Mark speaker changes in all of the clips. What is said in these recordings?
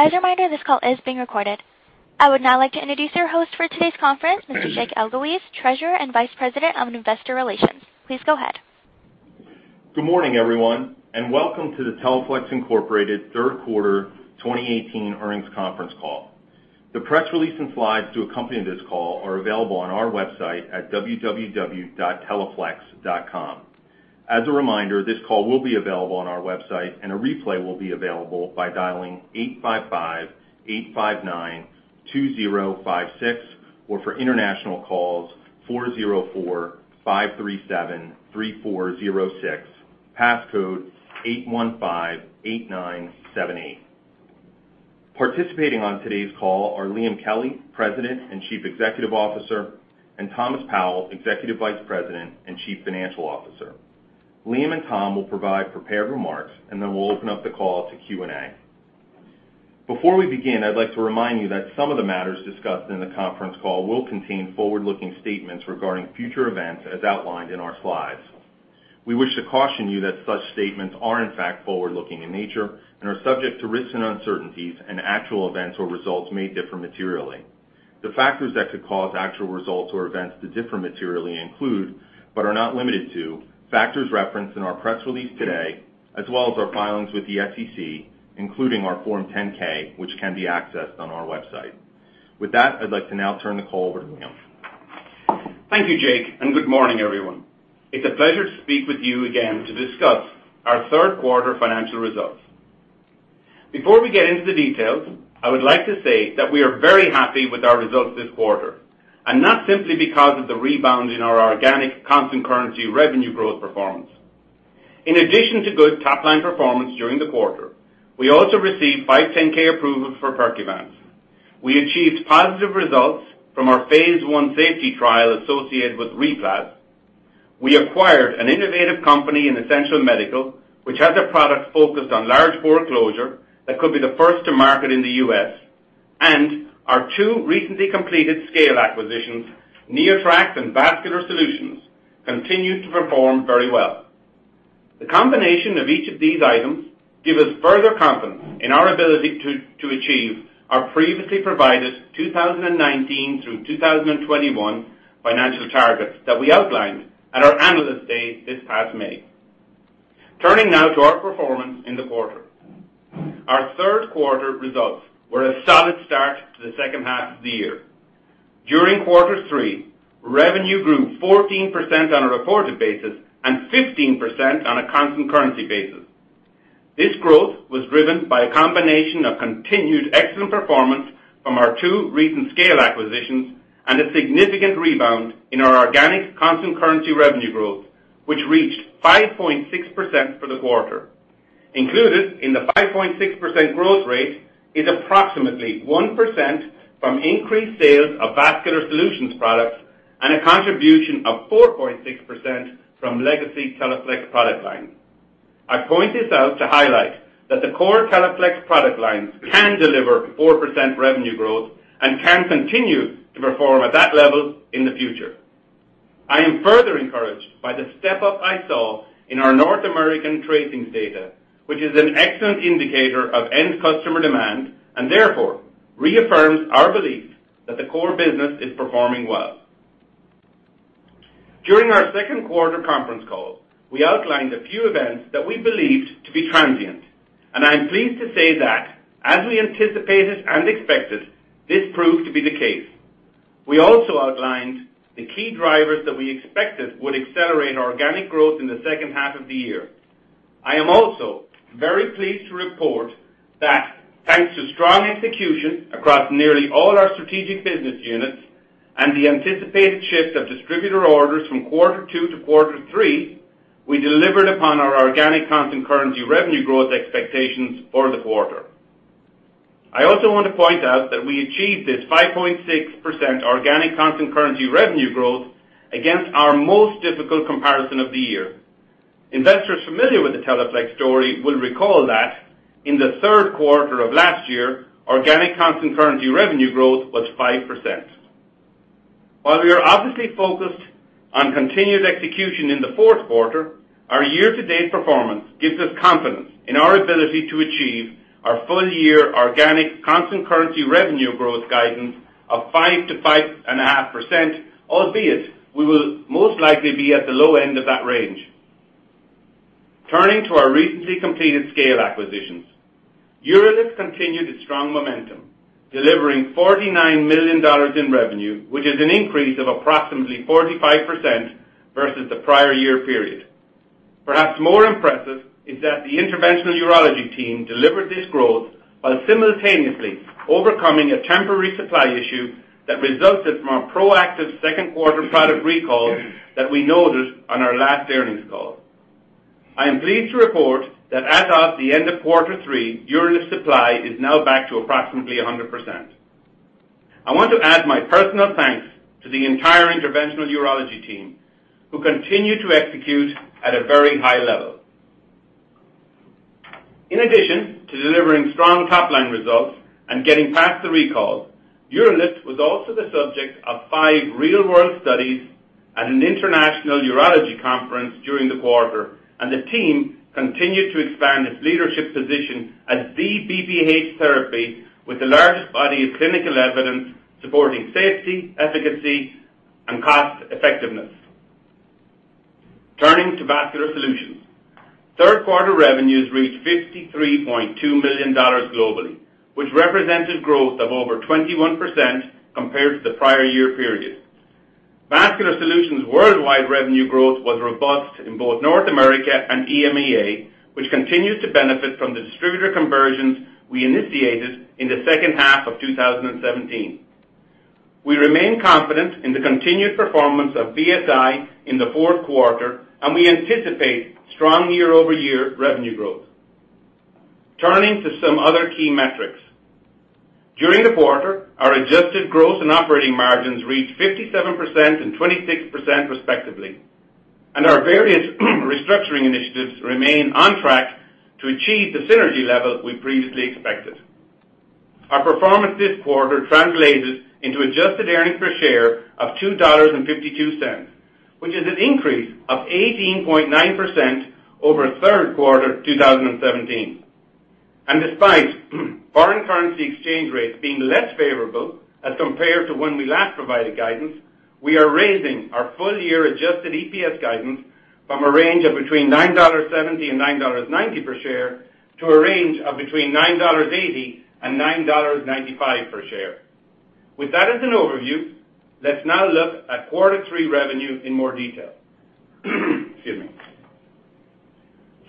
Speaker 1: As a reminder, this call is being recorded. I would now like to introduce your host for today's conference, Mr. Jake Elguicze, Treasurer and Vice President of Investor Relations. Please go ahead.
Speaker 2: Good morning, everyone, and welcome to the Teleflex Incorporated third quarter 2018 earnings conference call. The press release and slides to accompany this call are available on our website at www.teleflex.com. As a reminder, this call will be available on our website, a replay will be available by dialing 855-859-2056, or for international calls, 404-537-3406, passcode 8158978. Participating on today's call are Liam Kelly, President and Chief Executive Officer, and Thomas Powell, Executive Vice President and Chief Financial Officer. Liam and Tom will provide prepared remarks, then we'll open up the call to Q&A. Before we begin, I'd like to remind you that some of the matters discussed in the conference call will contain forward-looking statements regarding future events, as outlined in our slides. We wish to caution you that such statements are in fact forward-looking in nature and subject to risks and uncertainties, actual events or results may differ materially. The factors that could cause actual results or events to differ materially include, but are not limited to, factors referenced in our press release today, as well as our filings with the SEC, including our Form 10-K, which can be accessed on our website. With that, I'd like to now turn the call over to Liam.
Speaker 3: Thank you, Jake, and good morning, everyone. It's a pleasure to speak with you again to discuss our third quarter financial results. Before we get into the details, I would like to say that we are very happy with our results this quarter, not simply because of the rebound in our organic constant currency revenue growth performance. In addition to good top-line performance during the quarter, we also received 510(k) approval for Percuvance. We achieved positive results from our phase I safety trial associated with RePlas. We acquired an innovative company in Essential Medical, which has a product focused on large bore closure that could be the first to market in the U.S. Our two recently completed scale acquisitions, NeoTract and Vascular Solutions, continue to perform very well. The combination of each of these items give us further confidence in our ability to achieve our previously provided 2019 through 2021 financial targets that we outlined at our Analyst Day this past May. Turning now to our performance in the quarter. Our third quarter results were a solid start to the second half of the year. During quarter three, revenue grew 14% on a reported basis and 15% on a constant currency basis. This growth was driven by a combination of continued excellent performance from our two recent scale acquisitions and a significant rebound in our organic constant currency revenue growth, which reached 5.6% for the quarter. Included in the 5.6% growth rate is approximately 1% from increased sales of Vascular Solutions products and a contribution of 4.6% from legacy Teleflex product line. I point this out to highlight that the core Teleflex product lines can deliver 4% revenue growth and can continue to perform at that level in the future. I am further encouraged by the step up I saw in our North American tracings data, which is an excellent indicator of end customer demand and therefore reaffirms our belief that the core business is performing well. During our second quarter conference call, we outlined a few events that we believed to be transient, and I am pleased to say that, as we anticipated and expected, this proved to be the case. We also outlined the key drivers that we expected would accelerate organic growth in the second half of the year. I am also very pleased to report that thanks to strong execution across nearly all our strategic business units and the anticipated shift of distributor orders from quarter 2 to quarter 3, we delivered upon our organic constant currency revenue growth expectations for the quarter. I also want to point out that we achieved this 5.6% organic constant currency revenue growth against our most difficult comparison of the year. Investors familiar with the Teleflex story will recall that in the third quarter of last year, organic constant currency revenue growth was 5%. While we are obviously focused on continued execution in the fourth quarter, our year-to-date performance gives us confidence in our ability to achieve our full-year organic constant currency revenue growth guidance of 5%-5.5%, albeit we will most likely be at the low end of that range. Turning to our recently completed scale acquisitions. UroLift continued its strong momentum, delivering $49 million in revenue, which is an increase of approximately 45% versus the prior year period. Perhaps more impressive is that the interventional urology team delivered this growth while simultaneously overcoming a temporary supply issue that resulted from our proactive second-quarter product recall that we noted on our last earnings call. I am pleased to report that as of the end of quarter 3, UroLift supply is now back to approximately 100%. I want to add my personal thanks to the entire interventional urology team, who continue to execute at a very high level. In addition to delivering strong top-line results and getting past the recall, UroLift was also the subject of five real-world studies at an international urology conference during the quarter. The team continued to expand its leadership position as the BPH therapy with the largest body of clinical evidence supporting safety, efficacy, and cost effectiveness. Turning to Vascular Solutions. Third quarter revenues reached $53.2 million globally, which represented growth of over 21% compared to the prior year period. Vascular Solutions' worldwide revenue growth was robust in both North America and EMEA, which continues to benefit from the distributor conversions we initiated in the second half of 2017. We remain confident in the continued performance of VSI in the fourth quarter, and we anticipate strong year-over-year revenue growth. Turning to some other key metrics. During the quarter, our adjusted gross and operating margins reached 57% and 26% respectively. Our various restructuring initiatives remain on track to achieve the synergy level we previously expected. Our performance this quarter translated into adjusted earnings per share of $2.52, which is an increase of 18.9% over third quarter 2017. Despite foreign currency exchange rates being less favorable as compared to when we last provided guidance, we are raising our full year adjusted EPS guidance from a range of between $9.70 and $9.90 per share to a range of between $9.80 and $9.95 per share. With that as an overview, let's now look at quarter three revenue in more detail.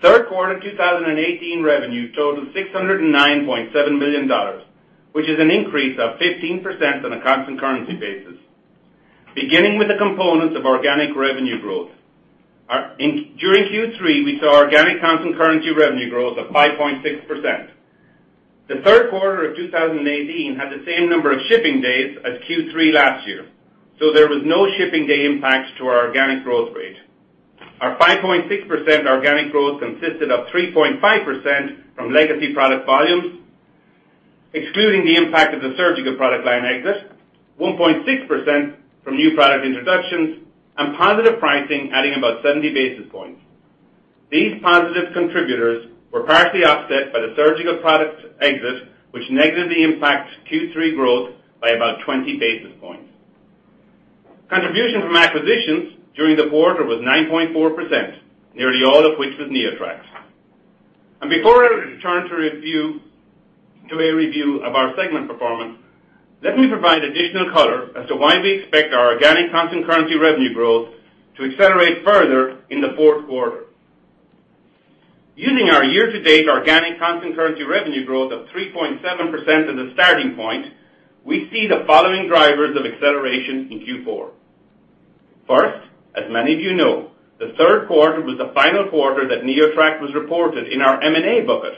Speaker 3: Excuse me. Third quarter 2018 revenue totaled $609.7 million, which is an increase of 15% on a constant currency basis. Beginning with the components of organic revenue growth. During Q3, we saw organic constant currency revenue growth of 5.6%. The third quarter of 2018 had the same number of shipping days as Q3 last year, so there was no shipping day impact to our organic growth rate. Our 5.6% organic growth consisted of 3.5% from legacy product volumes, excluding the impact of the surgical product line exit, 1.6% from new product introductions, and positive pricing adding about 70 basis points. These positive contributors were partially offset by the surgical products exit, which negatively impacts Q3 growth by about 20 basis points. Contribution from acquisitions during the quarter was 9.4%, nearly all of which was NeoTract. Before I turn to a review of our segment performance, let me provide additional color as to why we expect our organic constant currency revenue growth to accelerate further in the fourth quarter. Using our year-to-date organic constant currency revenue growth of 3.7% as a starting point, we see the following drivers of acceleration in Q4. First, as many of you know, the third quarter was the final quarter that NeoTract was reported in our M&A bucket.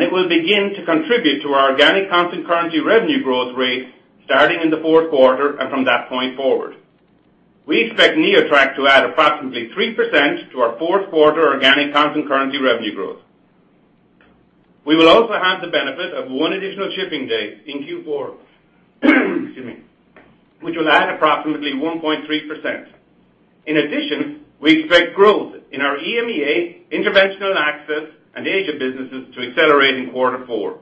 Speaker 3: It will begin to contribute to our organic constant currency revenue growth rate starting in the fourth quarter and from that point forward. We expect NeoTract to add approximately 3% to our fourth quarter organic constant currency revenue growth. We will also have the benefit of one additional shipping day in Q4, which will add approximately 1.3%. In addition, we expect growth in our EMEA, Interventional Access and Asia businesses to accelerate in quarter four,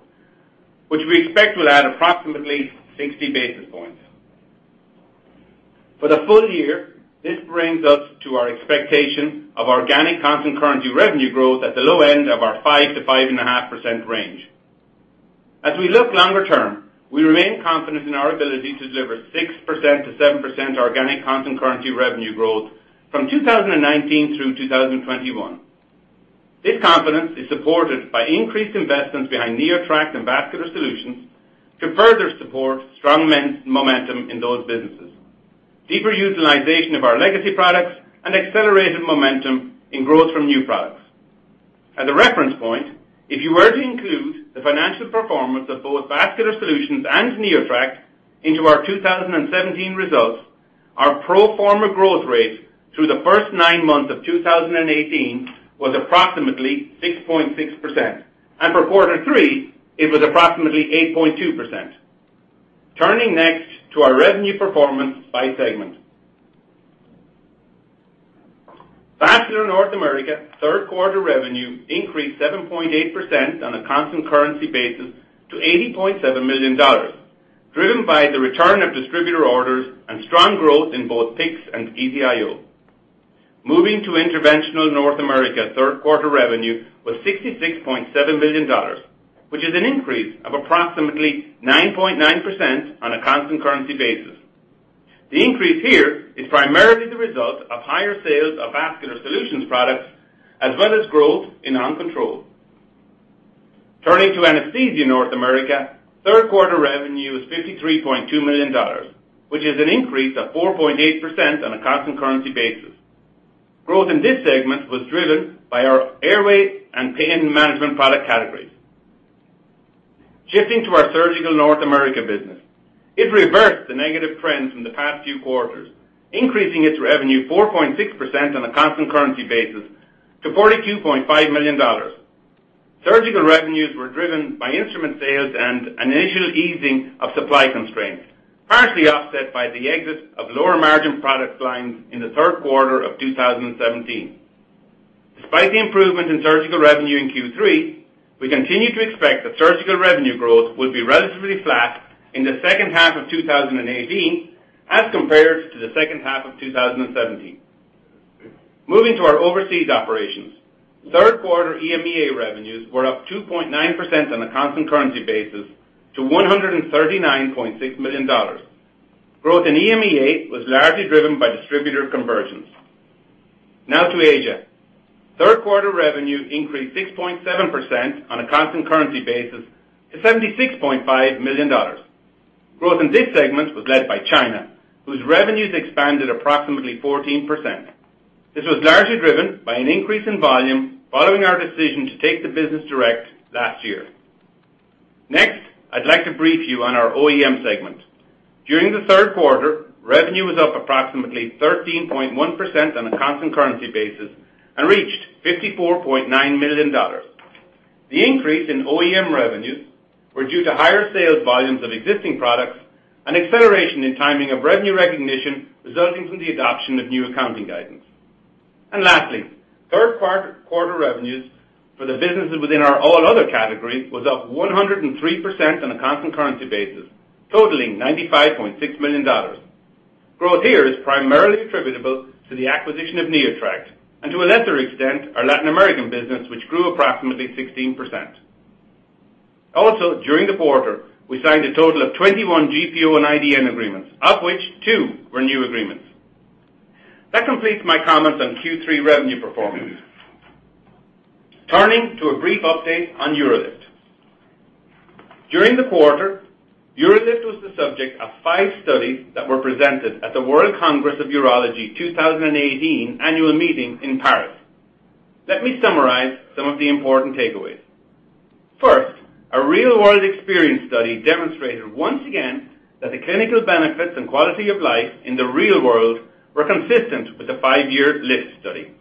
Speaker 3: which we expect will add approximately 60 basis points. For the full year, this brings us to our expectation of organic constant currency revenue growth at the low end of our 5%-5.5% range. As we look longer term, we remain confident in our ability to deliver 6%-7% organic constant currency revenue growth from 2019 through 2021. This confidence is supported by increased investments behind NeoTract and Vascular Solutions to further support strong momentum in those businesses, deeper utilization of our legacy products, and accelerated momentum in growth from new products. As a reference point, if you were to include the financial performance of both Vascular Solutions and NeoTract into our 2017 results, our pro forma growth rate through the first nine months of 2018 was approximately 6.6%, and for quarter three, it was approximately 8.2%. Turning next to our revenue performance by segment. Vascular North America third quarter revenue increased 7.8% on a constant currency basis to $80.7 million, driven by the return of distributor orders and strong growth in both PICC and EVIO. Moving to Interventional North America, third quarter revenue was $66.7 million, which is an increase of approximately 9.9% on a constant currency basis. The increase here is primarily the result of higher sales of Vascular Solutions products as well as growth in OnControl. Turning to Anesthesia North America, third quarter revenue was $53.2 million, which is an increase of 4.8% on a constant currency basis. Growth in this segment was driven by our airway and pain management product categories. Shifting to our Surgical North America business. It reversed the negative trends from the past few quarters, increasing its revenue 4.6% on a constant currency basis to $42.5 million. Surgical revenues were driven by instrument sales and an initial easing of supply constraints, partially offset by the exit of lower margin product lines in the third quarter of 2017. Despite the improvement in surgical revenue in Q3, we continue to expect that surgical revenue growth will be relatively flat in the second half of 2018 as compared to the second half of 2017. Moving to our overseas operations. Third quarter EMEA revenues were up 2.9% on a constant currency basis to $139.6 million. Growth in EMEA was largely driven by distributor conversions. Now to Asia. Third quarter revenues increased 6.7% on a constant currency basis to $76.5 million. Growth in this segment was led by China, whose revenues expanded approximately 14%. This was largely driven by an increase in volume following our decision to take the business direct last year. I'd like to brief you on our OEM segment. During the third quarter, revenue was up approximately 13.1% on a constant currency basis and reached $54.9 million. The increase in OEM revenues were due to higher sales volumes of existing products and acceleration in timing of revenue recognition resulting from the adoption of new accounting guidance. Lastly, third quarter revenues for the businesses within our all other category was up 103% on a constant currency basis, totaling $95.6 million. Growth here is primarily attributable to the acquisition of NeoTract, and to a lesser extent, our Latin American business, which grew approximately 16%. Also, during the quarter, we signed a total of 21 GPO and IDN agreements, of which two were new agreements. That completes my comments on Q3 revenue performance. Turning to a brief update on UroLift. During the quarter, UroLift was the subject of five studies that were presented at the World Congress of Endourology 2018 annual meeting in Paris. Let me summarize some of the important takeaways. First, a real-world experience study demonstrated once again that the clinical benefits and quality of life in the real world were consistent with the five-year L.I.F.T. study.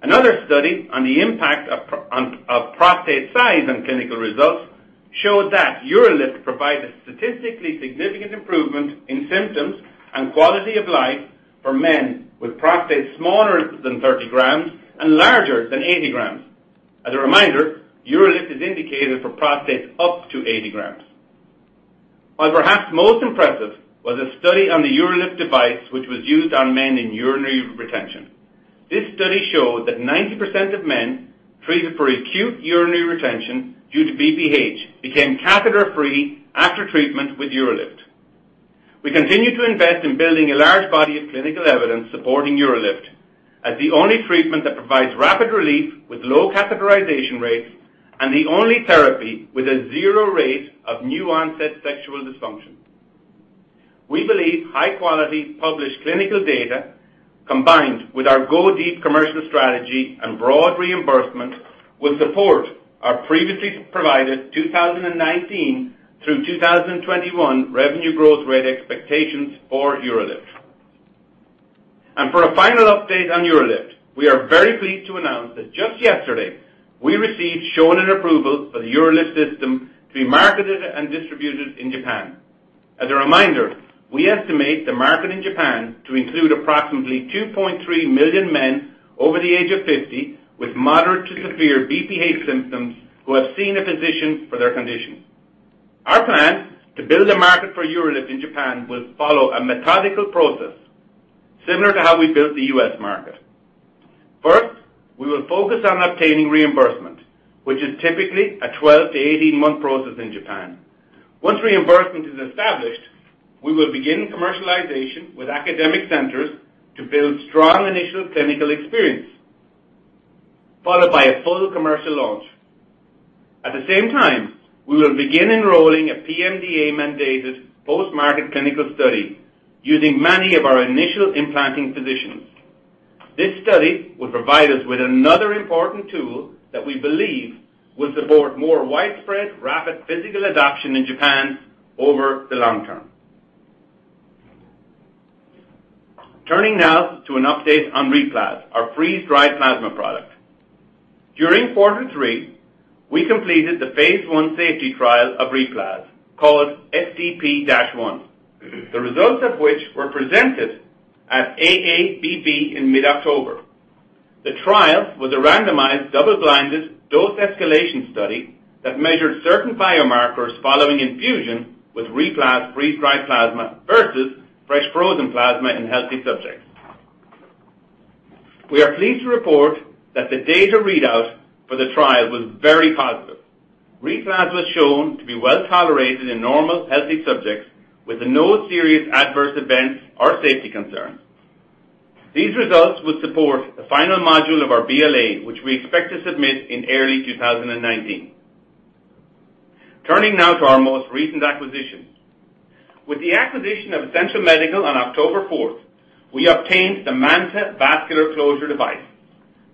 Speaker 3: Another study on the impact of prostate size on clinical results showed that UroLift provided statistically significant improvement in symptoms and quality of life for men with prostates smaller than 30 grams and larger than 80 grams. As a reminder, UroLift is indicated for prostates up to 80 grams. While perhaps most impressive was a study on the UroLift device which was used on men in urinary retention. This study showed that 90% of men treated for acute urinary retention due to BPH became catheter-free after treatment with UroLift. We continue to invest in building a large body of clinical evidence supporting UroLift as the only treatment that provides rapid relief with low catheterization rates and the only therapy with a zero rate of new-onset sexual dysfunction. We believe high-quality published clinical data, combined with our go deep commercial strategy and broad reimbursement, will support our previously provided 2019 through 2021 revenue growth rate expectations for UroLift. For a final update on UroLift, we are very pleased to announce that just yesterday, we received Shonin approval for the UroLift System to be marketed and distributed in Japan. As a reminder, we estimate the market in Japan to include approximately 2.3 million men over the age of 50 with moderate to severe BPH symptoms who have seen a physician for their condition. Our plan to build a market for UroLift in Japan will follow a methodical process similar to how we built the U.S. market. First, we will focus on obtaining reimbursement, which is typically a 12 to 18-month process in Japan. Once reimbursement is established, we will begin commercialization with academic centers to build strong initial clinical experience, followed by a full commercial launch. At the same time, we will begin enrolling a PMDA-mandated post-market clinical study using many of our initial implanting physicians. This study will provide us with another important tool that we believe will support more widespread, rapid physical adoption in Japan over the long term. Turning now to an update on RePlas, our freeze-dried plasma product. During quarter three, we completed the phase I safety trial of RePlas, called FDP-1, the results of which were presented at AABB in mid-October. The trial was a randomized, double-blinded dose escalation study that measured certain biomarkers following infusion with RePlas freeze-dried plasma versus fresh frozen plasma in healthy subjects. We are pleased to report that the data readout for the trial was very positive. RePlas was shown to be well-tolerated in normal, healthy subjects with no serious adverse events or safety concerns. These results will support the final module of our BLA, which we expect to submit in early 2019. Turning now to our most recent acquisition. With the acquisition of Essential Medical on October 4th, we obtained the MANTA vascular closure device.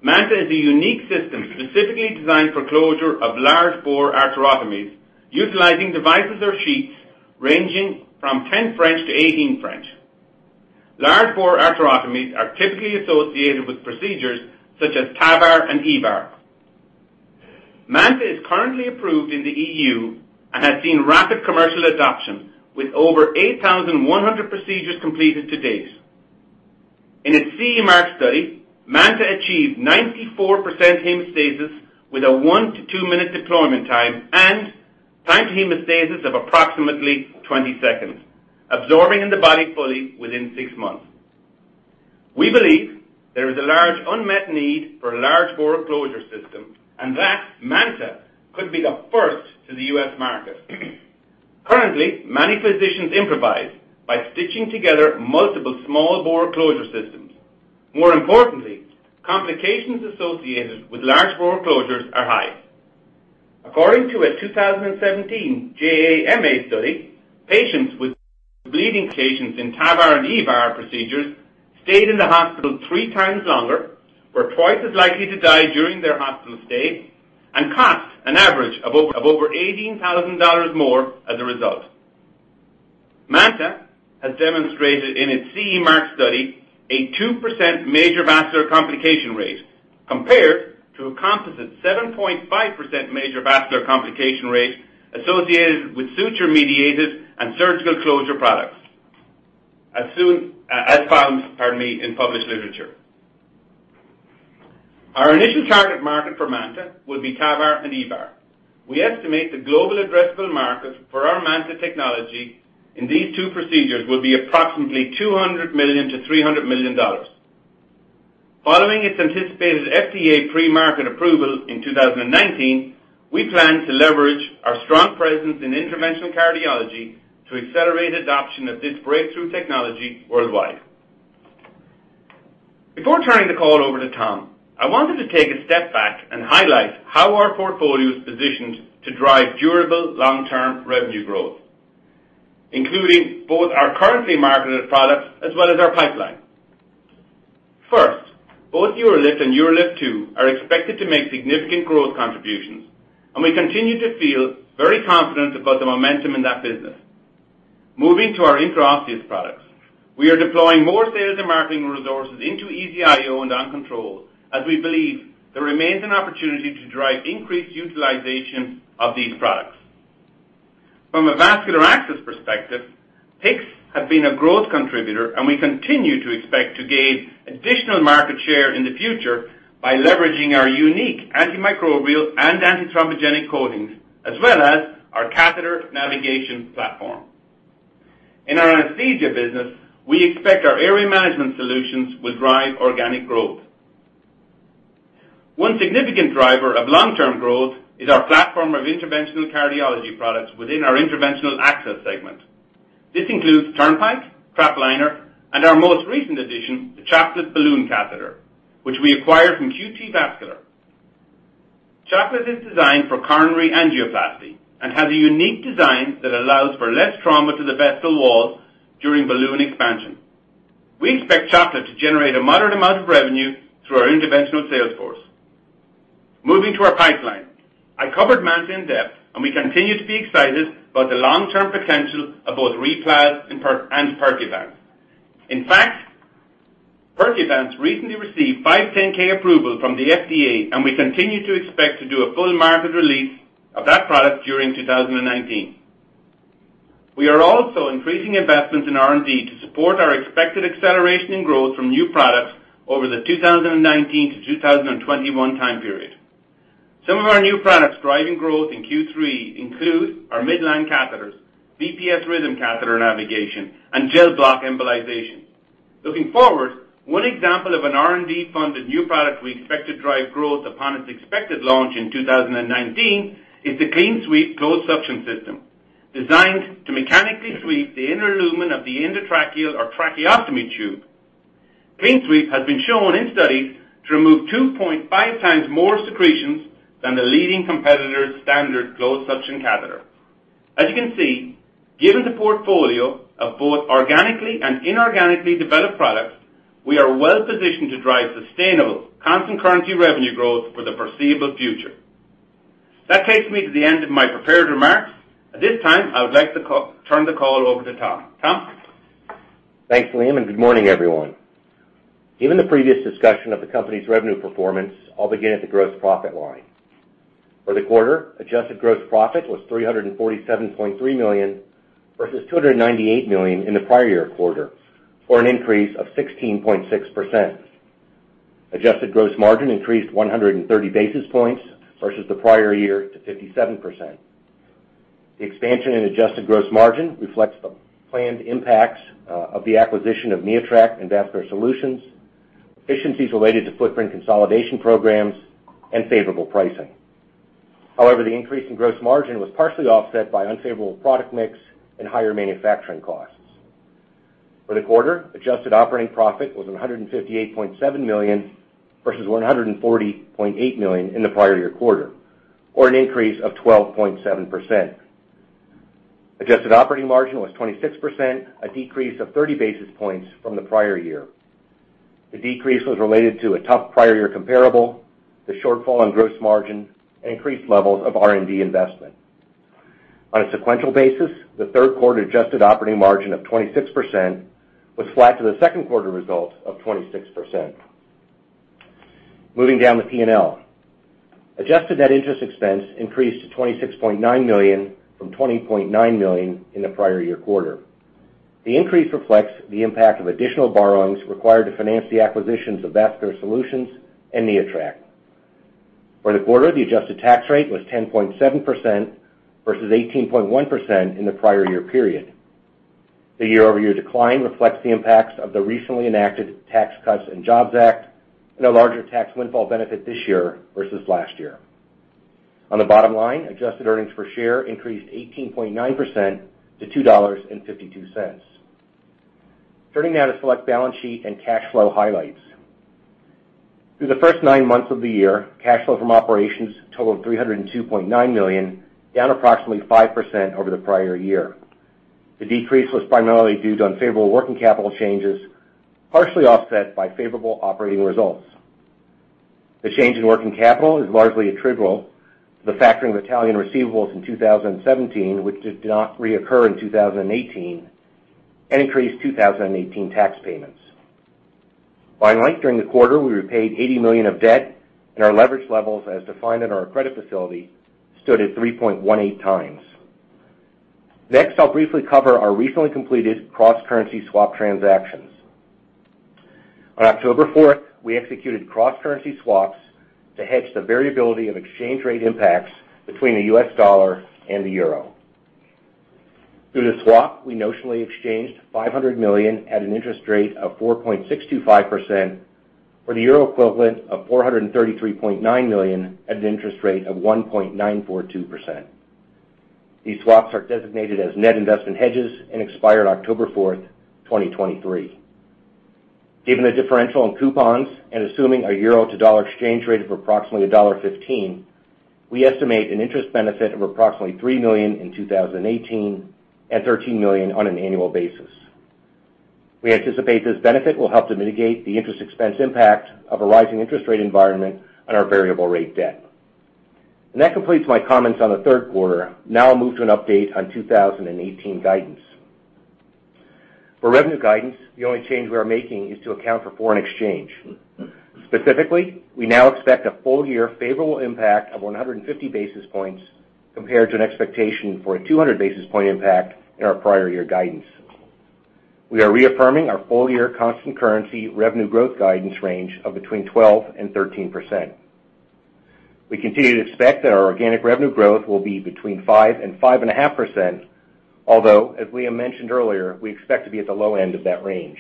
Speaker 3: MANTA is a unique system specifically designed for closure of large bore arterotomies, utilizing devices or sheets ranging from 10 French to 18 French. Large bore arterotomies are typically associated with procedures such as TAVR and EVAR. MANTA is currently approved in the EU and has seen rapid commercial adoption with over 8,100 procedures completed to date. In its CE Mark study, MANTA achieved 94% hemostasis with a one-to-two minute deployment time and time to hemostasis of approximately 20 seconds, absorbing in the body fully within six months. We believe there is a large unmet need for a large bore closure system, and that MANTA could be the first to the U.S. market. Currently, many physicians improvise by stitching together multiple small bore closure systems. More importantly, complications associated with large bore closures are high. According to a 2017 JAMA study, patients with bleeding complications in TAVR and EVAR procedures stayed in the hospital three times longer, were twice as likely to die during their hospital stay, and cost an average of over $18,000 more as a result. MANTA has demonstrated in its CE Mark study a 2% major vascular complication rate compared to a composite 7.5% major vascular complication rate associated with suture-mediated and surgical closure products, as found, pardon me, in published literature. Our initial target market for MANTA will be TAVR and EVAR. We estimate the global addressable market for our MANTA technology in these two procedures will be approximately $200 million-$300 million. Following its anticipated FDA pre-market approval in 2019, we plan to leverage our strong presence in interventional cardiology to accelerate adoption of this breakthrough technology worldwide. Before turning the call over to Tom, I wanted to take a step back and highlight how our portfolio is positioned to drive durable long-term revenue growth, including both our currently marketed products as well as our pipeline. First, both UroLift and UroLift 2 are expected to make significant growth contributions, and we continue to feel very confident about the momentum in that business. Moving to our intraosseous products. We are deploying more sales and marketing resources into EZ-IO and OnControl as we believe there remains an opportunity to drive increased utilization of these products. From a vascular access perspective, PICC has been a growth contributor, and we continue to expect to gain additional market share in the future by leveraging our unique antimicrobial and antithrombogenic coatings as well as our catheter navigation platform. In our anesthesia business, we expect our airway management solutions will drive organic growth. One significant driver of long-term growth is our platform of interventional cardiology products within our interventional access segment. This includes Turnpike, TrapLiner, and our most recent addition, the Chocolate balloon catheter, which we acquired from QT Vascular. Chocolate is designed for coronary angioplasty and has a unique design that allows for less trauma to the vessel wall during balloon expansion. We expect Chocolate to generate a moderate amount of revenue through our interventional sales force. Moving to our pipeline. I covered MANTA in depth, and we continue to be excited about the long-term potential of both RePlas and Percuvance. In fact, Percuvance recently received 510 approval from the FDA, and we continue to expect to do a full market release of that product during 2019. We are also increasing investments in R&D to support our expected acceleration in growth from new products over the 2019-2021 time period. Some of our new products driving growth in Q3 include our midline catheters, VPS Rhythm catheter navigation, and Gel-Block embolization. Looking forward, one example of an R&D-funded new product we expect to drive growth upon its expected launch in 2019 is the CleanSweep closed suction system. Designed to mechanically sweep the inner lumen of the endotracheal or tracheostomy tube. CleanSweep has been shown in studies to remove 2.5 times more secretions than the leading competitor's standard closed suction catheter. As you can see, given the portfolio of both organically and inorganically developed products, we are well-positioned to drive sustainable constant currency revenue growth for the foreseeable future. That takes me to the end of my prepared remarks. At this time, I would like to turn the call over to Tom. Tom?
Speaker 4: Thanks, Liam, and good morning, everyone. Given the previous discussion of the company's revenue performance, I'll begin at the gross profit line. For the quarter, adjusted gross profit was $347.3 million, versus $298 million in the prior year quarter, or an increase of 16.6%. Adjusted gross margin increased 130 basis points versus the prior year to 57%. The expansion in adjusted gross margin reflects the planned impacts of the acquisition of NeoTract and Vascular Solutions, efficiencies related to footprint consolidation programs, and favorable pricing. However, the increase in gross margin was partially offset by unfavorable product mix and higher manufacturing costs. For the quarter, adjusted operating profit was $158.7 million, versus $140.8 million in the prior year quarter, or an increase of 12.7%. Adjusted operating margin was 26%, a decrease of 30 basis points from the prior year. The decrease was related to a tough prior year comparable, the shortfall in gross margin, and increased levels of R&D investment. On a sequential basis, the third quarter adjusted operating margin of 26% was flat to the second quarter result of 26%. Moving down the P&L. Adjusted net interest expense increased to $26.9 million from $20.9 million in the prior year quarter. The increase reflects the impact of additional borrowings required to finance the acquisitions of Vascular Solutions and NeoTract. For the quarter, the adjusted tax rate was 10.7% versus 18.1% in the prior year period. The year-over-year decline reflects the impacts of the recently enacted Tax Cuts and Jobs Act and a larger tax windfall benefit this year versus last year. On the bottom line, adjusted earnings per share increased 18.9% to $2.52. Turning now to select balance sheet and cash flow highlights. Through the first nine months of the year, cash flow from operations totaled $302.9 million, down approximately 5% over the prior year. The decrease was primarily due to unfavorable working capital changes, partially offset by favorable operating results. The change in working capital is largely attributable to the factoring of Italian receivables in 2017, which did not reoccur in 2018, and increased 2018 tax payments. Finally, during the quarter, we repaid $80 million of debt, and our leverage levels, as defined in our credit facility, stood at 3.18 times. Next, I'll briefly cover our recently completed cross-currency swap transactions. On October 4th, we executed cross-currency swaps to hedge the variability of exchange rate impacts between the US dollar and the euro. Through the swap, we notionally exchanged $500 million at an interest rate of 4.625% for the euro equivalent of 433.9 million at an interest rate of 1.942%. These swaps are designated as net investment hedges and expire on October 4th, 2023. Given the differential in coupons and assuming a euro to dollar exchange rate of approximately $1.15, we estimate an interest benefit of approximately $3 million in 2018 and $13 million on an annual basis. We anticipate this benefit will help to mitigate the interest expense impact of a rising interest rate environment on our variable rate debt. That completes my comments on the third quarter. Now I'll move to an update on 2018 guidance. For revenue guidance, the only change we are making is to account for foreign exchange. Specifically, we now expect a full-year favorable impact of 150 basis points compared to an expectation for a 200 basis point impact in our prior year guidance. We are reaffirming our full-year constant currency revenue growth guidance range of between 12% and 13%. We continue to expect that our organic revenue growth will be between 5% and 5.5%, although, as Liam mentioned earlier, we expect to be at the low end of that range.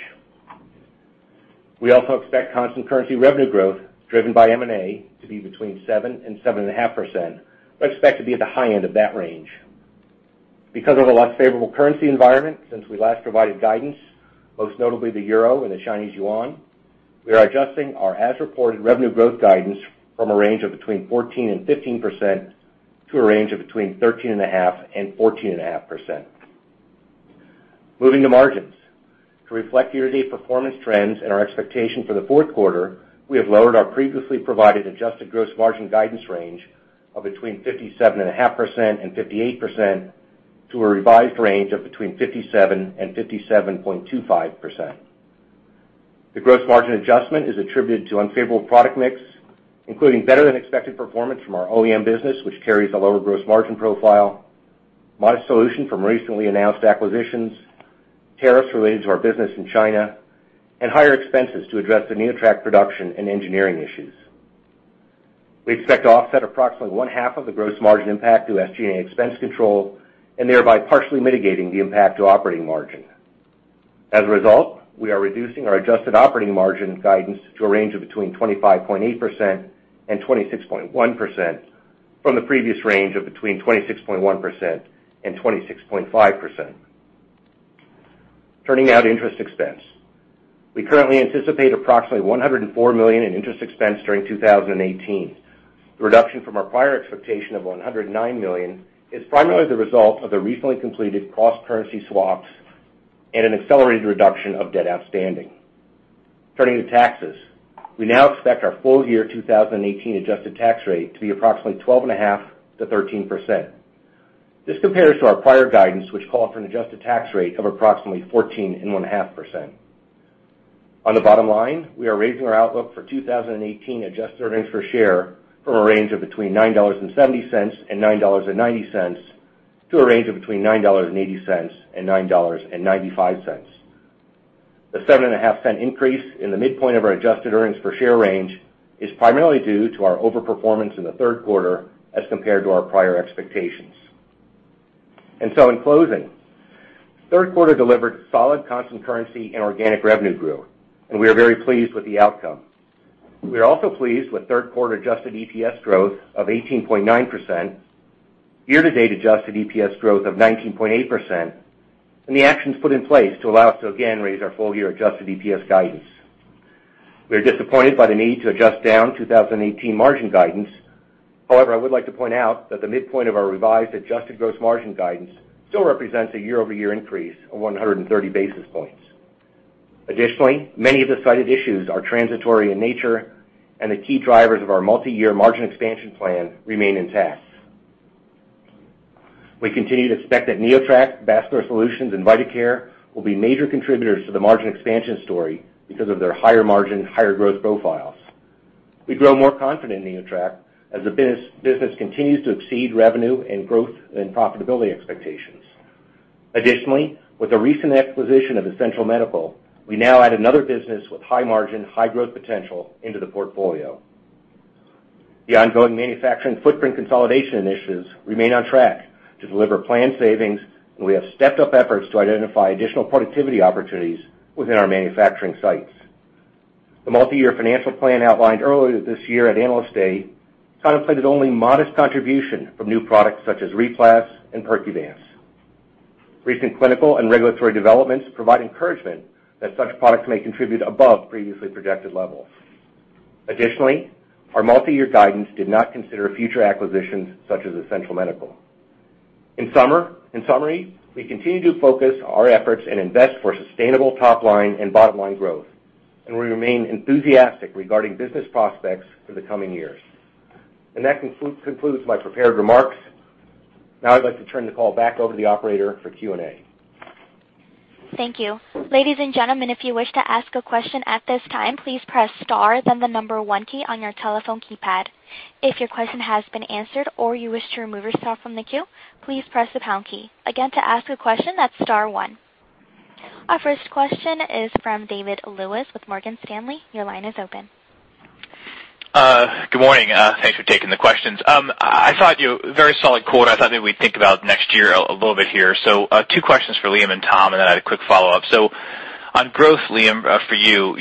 Speaker 4: We also expect constant currency revenue growth driven by M&A to be between 7% and 7.5%, but expect to be at the high end of that range. Because of a less favorable currency environment since we last provided guidance, most notably the euro and the Chinese yuan, we are adjusting our as-reported revenue growth guidance from a range of between 14% and 15% to a range of between 13.5% and 14.5%. Moving to margins. To reflect year-to-date performance trends and our expectation for the fourth quarter, we have lowered our previously provided adjusted gross margin guidance range of between 57.5% and 58% to a revised range of between 57% and 57.25%. The gross margin adjustment is attributed to unfavorable product mix, including better-than-expected performance from our OEM business, which carries a lower gross margin profile, modest solution from recently announced acquisitions, tariffs related to our business in China, and higher expenses to address the NeoTract production and engineering issues. We expect to offset approximately one-half of the gross margin impact through SG&A expense control and thereby partially mitigating the impact to operating margin. As a result, we are reducing our adjusted operating margin guidance to a range of between 25.8% and 26.1% from the previous range of between 26.1% and 26.5%. Turning now to interest expense. We currently anticipate approximately $104 million in interest expense during 2018. The reduction from our prior expectation of $109 million is primarily the result of the recently completed cross-currency swaps and an accelerated reduction of debt outstanding. Turning to taxes. We now expect our full-year 2018 adjusted tax rate to be approximately 12.5%-13%. This compares to our prior guidance, which called for an adjusted tax rate of approximately 14.5%. On the bottom line, we are raising our outlook for 2018 adjusted earnings per share from a range of between $9.70 and $9.90 to a range of between $9.80 and $9.95. The $0.075 increase in the midpoint of our adjusted earnings per share range is primarily due to our overperformance in the third quarter as compared to our prior expectations. In closing, third quarter delivered solid constant currency and organic revenue growth, and we are very pleased with the outcome. We are also pleased with third quarter adjusted EPS growth of 18.9%, year-to-date adjusted EPS growth of 19.8%, and the actions put in place to allow us to again raise our full-year adjusted EPS guidance. We are disappointed by the need to adjust down 2018 margin guidance. I would like to point out that the midpoint of our revised adjusted gross margin guidance still represents a year-over-year increase of 130 basis points. Many of the cited issues are transitory in nature, and the key drivers of our multi-year margin expansion plan remain intact. We continue to expect that NeoTract, Vascular Solutions, and Vidacare will be major contributors to the margin expansion story because of their higher margin, higher growth profiles. We grow more confident in NeoTract as the business continues to exceed revenue and growth and profitability expectations. With the recent acquisition of Essential Medical, we now add another business with high margin, high growth potential into the portfolio. The ongoing manufacturing footprint consolidation initiatives remain on track to deliver planned savings, we have stepped up efforts to identify additional productivity opportunities within our manufacturing sites. The multi-year financial plan outlined earlier this year at Analyst Day contemplated only modest contribution from new products such as RePlas and Percuvance. Recent clinical and regulatory developments provide encouragement that such products may contribute above previously projected levels. Our multi-year guidance did not consider future acquisitions such as Essential Medical. We continue to focus our efforts and invest for sustainable top-line and bottom-line growth, we remain enthusiastic regarding business prospects for the coming years. That concludes my prepared remarks. Now I'd like to turn the call back over to the operator for Q&A.
Speaker 1: Thank you. Ladies and gentlemen, if you wish to ask a question at this time, please press star then the number 1 key on your telephone keypad. If your question has been answered or you wish to remove yourself from the queue, please press the pound key. Again, to ask a question, that's star 1. Our first question is from David Lewis with Morgan Stanley. Your line is open.
Speaker 5: Good morning. Thanks for taking the questions. I thought very solid quarter. I thought that we'd think about next year a little bit here. Two questions for Liam and Tom, then I had a quick follow-up. On growth, Liam, for you,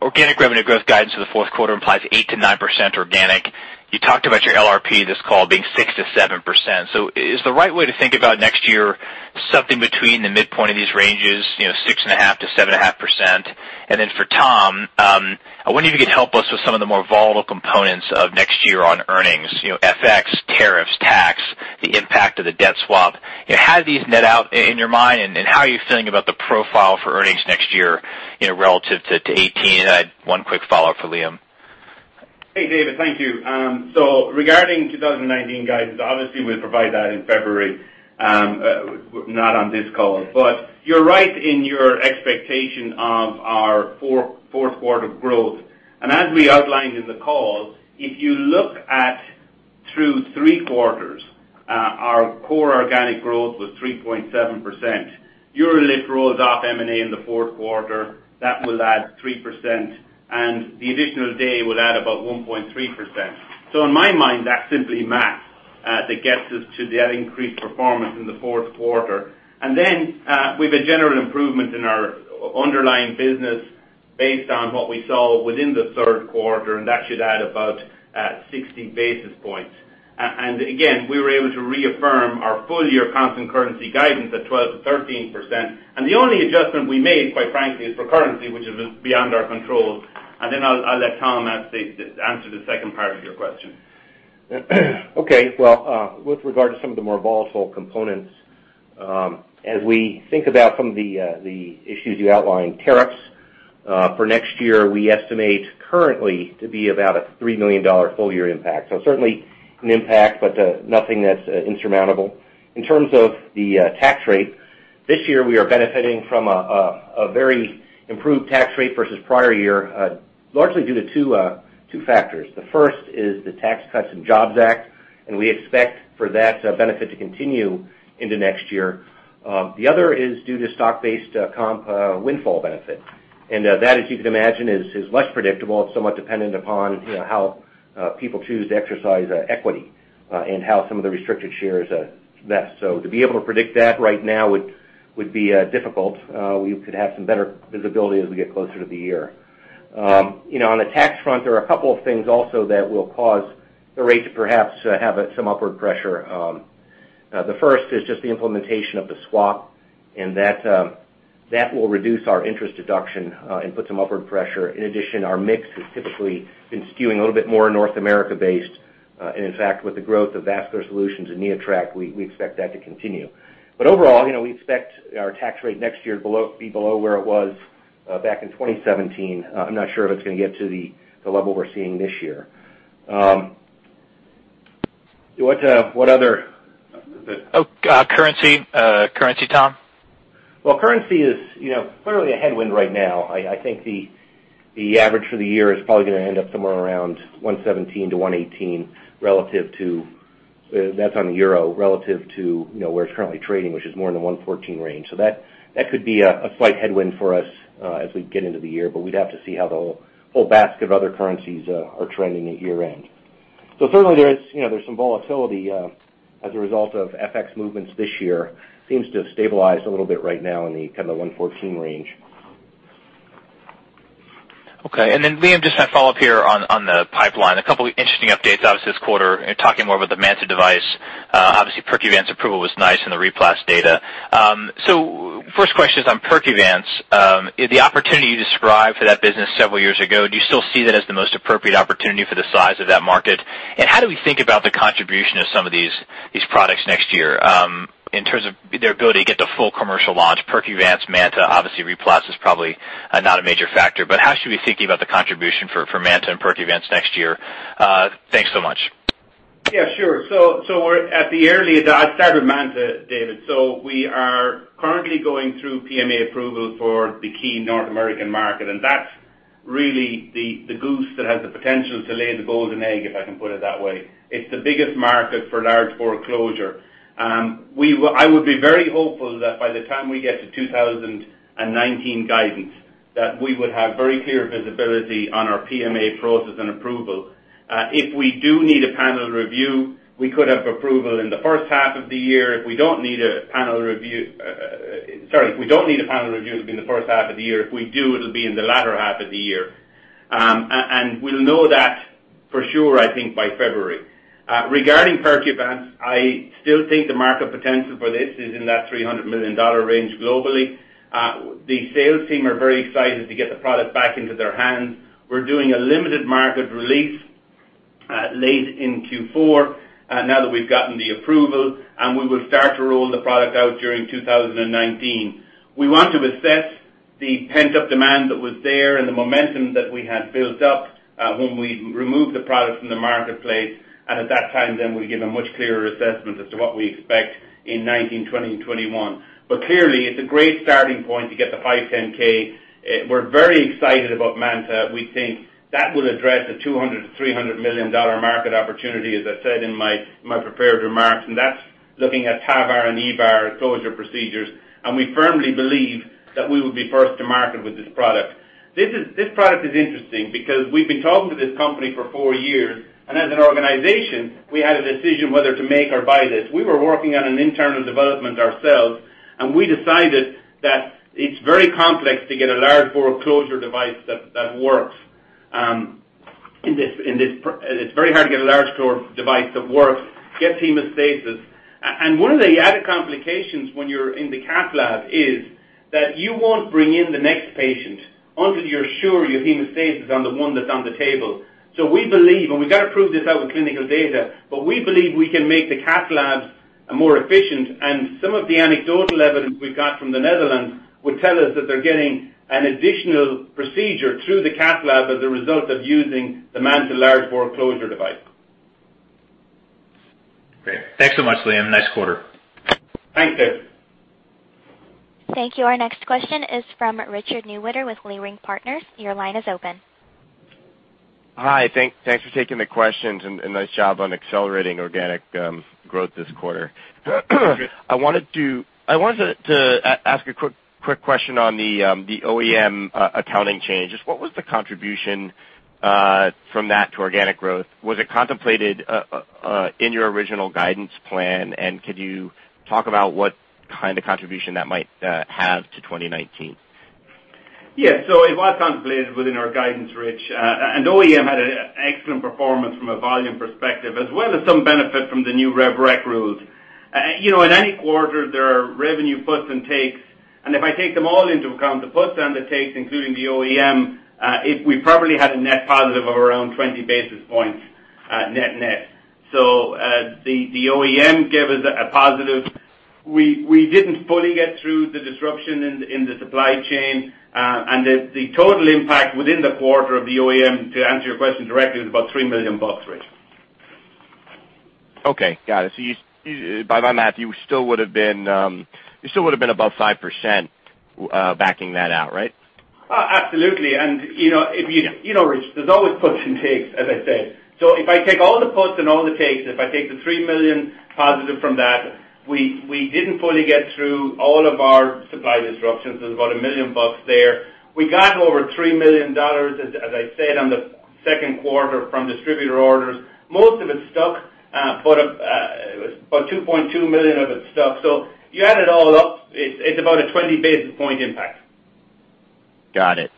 Speaker 5: organic revenue growth guidance for the fourth quarter implies 8%-9% organic. You talked about your LRP this call being 6%-7%. Is the right way to think about next year something between the midpoint of these ranges, 6.5%-7.5%? Then for Tom, I wonder if you could help us with some of the more volatile components of next year on earnings, FX, tariffs, tax, the impact of the debt swap. How do these net out in your mind, and how are you feeling about the profile for earnings next year, relative to 2018? I had one quick follow-up for Liam.
Speaker 3: Hey, David. Thank you. Regarding 2019 guidance, obviously we'll provide that in February, not on this call. You're right in your expectation of our fourth quarter growth. As we outlined in the call, if you look at through three quarters, our core organic growth was 3.7%. UroLift rolls off M&A in the fourth quarter. That will add 3%, and the additional day will add about 1.3%. In my mind, that's simply math that gets us to that increased performance in the fourth quarter. With a general improvement in our underlying business based on what we saw within the third quarter, that should add about 60 basis points. Again, we were able to reaffirm our full-year constant currency guidance at 12%-13%. The only adjustment we made, quite frankly, is for currency, which is beyond our control. I'll let Tom answer the second part of your question.
Speaker 4: Okay. Well, with regard to some of the more volatile components, as we think about some of the issues you outlined, tariffs for next year, we estimate currently to be about a $3 million full-year impact. Certainly an impact, but nothing that's insurmountable. In terms of the tax rate, this year we are benefiting from a very improved tax rate versus prior year, largely due to two factors. The first is the Tax Cuts and Jobs Act, we expect for that benefit to continue into next year. The other is due to stock-based comp windfall benefit. That, as you can imagine, is less predictable. It's somewhat dependent upon how people choose to exercise equity and how some of the restricted shares vest. To be able to predict that right now would be difficult. We could have some better visibility as we get closer to the year. On the tax front, there are a couple of things also that will cause the rate to perhaps have some upward pressure. The first is just the implementation of the swap, that will reduce our interest deduction and put some upward pressure. In addition, our mix has typically been skewing a little bit more North America based. In fact, with the growth of Vascular Solutions and NeoTract, we expect that to continue. Overall, we expect our tax rate next year to be below where it was back in 2017. I'm not sure if it's going to get to the level we're seeing this year.
Speaker 5: Currency, Tom?
Speaker 4: Well, currency is clearly a headwind right now. I think the average for the year is probably going to end up somewhere around 117 to 118, that's on the Euro, relative to where it's currently trading, which is more in the 114 range. That could be a slight headwind for us as we get into the year, but we'd have to see how the whole basket of other currencies are trending at year-end. Certainly there's some volatility as a result of FX movements this year. Seems to have stabilized a little bit right now in the 114 range.
Speaker 5: Okay. Liam, just a follow-up here on the pipeline. A couple interesting updates, obviously this quarter, talking more about the MANTA device. Obviously Percuvance approval was nice in the RePlas data. First question is on Percuvance. The opportunity you described for that business several years ago, do you still see that as the most appropriate opportunity for the size of that market? How do we think about the contribution of some of these products next year. In terms of their ability to get the full commercial launch, Percuvance, MANTA, obviously RePlas is probably not a major factor. How should we be thinking about the contribution for MANTA and Percuvance next year? Thanks so much.
Speaker 3: Yeah, sure. I'll start with MANTA, David. We are currently going through PMA approval for the key North American market, and that's really the goose that has the potential to lay the golden egg, if I can put it that way. It's the biggest market for large bore closure. I would be very hopeful that by the time we get to 2019 guidance, that we would have very clear visibility on our PMA process and approval. If we do need a panel review, we could have approval in the first half of the year. If we don't need a panel review, it'll be in the first half of the year. If we do, it'll be in the latter half of the year. We'll know that for sure, I think, by February. Regarding Percuvance, I still think the market potential for this is in that $300 million range globally. The sales team are very excited to get the product back into their hands. We're doing a limited market release late in Q4, now that we've gotten the approval, and we will start to roll the product out during 2019. We want to assess the pent-up demand that was there and the momentum that we had built up, when we removed the product from the marketplace, and at that time, we'll give a much clearer assessment as to what we expect in 2019, 2020, and 2021. Clearly, it's a great starting point to get the 510(k). We're very excited about MANTA. We think that will address a $200 million-$300 million market opportunity, as I said in my prepared remarks, that's looking at TAVR and EVAR closure procedures, and we firmly believe that we will be first to market with this product. This product is interesting because we've been talking to this company for four years, as an organization, we had a decision whether to make or buy this. We were working on an internal development ourselves, we decided that it's very complex to get a large bore closure device that works. It's very hard to get a large bore device that works, gets hemostasis. One of the added complications when you're in the cath lab is that you won't bring in the next patient until you're sure your hemostasis is on the one that's on the table. We believe, we've got to prove this out with clinical data, we believe we can make the cath labs more efficient. Some of the anecdotal evidence we've got from the Netherlands would tell us that they're getting an additional procedure through the cath lab as a result of using the MANTA large bore closure device.
Speaker 5: Great. Thanks so much, Liam. Nice quarter.
Speaker 3: Thanks, David.
Speaker 1: Thank you. Our next question is from Richard Newitter with Leerink Partners. Your line is open.
Speaker 6: Hi, thanks for taking the questions and nice job on accelerating organic growth this quarter.
Speaker 3: Thank you.
Speaker 6: I wanted to ask a quick question on the OEM accounting change. Just what was the contribution from that to organic growth? Was it contemplated in your original guidance plan, and could you talk about what kind of contribution that might have to 2019?
Speaker 3: Yeah. It was contemplated within our guidance, Rich. OEM had an excellent performance from a volume perspective, as well as some benefit from the new rev rec rules. In any quarter, there are revenue puts and takes, and if I take them all into account, the puts and the takes, including the OEM, we probably had a net positive of around 20 basis points net/net. The OEM gave us a positive. We didn't fully get through the disruption in the supply chain. The total impact within the quarter of the OEM, to answer your question directly, was about $3 million, Rich.
Speaker 6: Okay. Got it. By my math, you still would've been above 5% backing that out, right?
Speaker 3: Absolutely. You know, Rich, there's always puts and takes, as I said. If I take all the puts and all the takes, if I take the $3 million positive from that, we didn't fully get through all of our supply disruptions. There's about $1 million there. We got over $3 million, as I said, on the second quarter from distributor orders. Most of it stuck. About $2.2 million of it stuck. You add it all up, it's about a 20-basis point impact.
Speaker 6: Got it.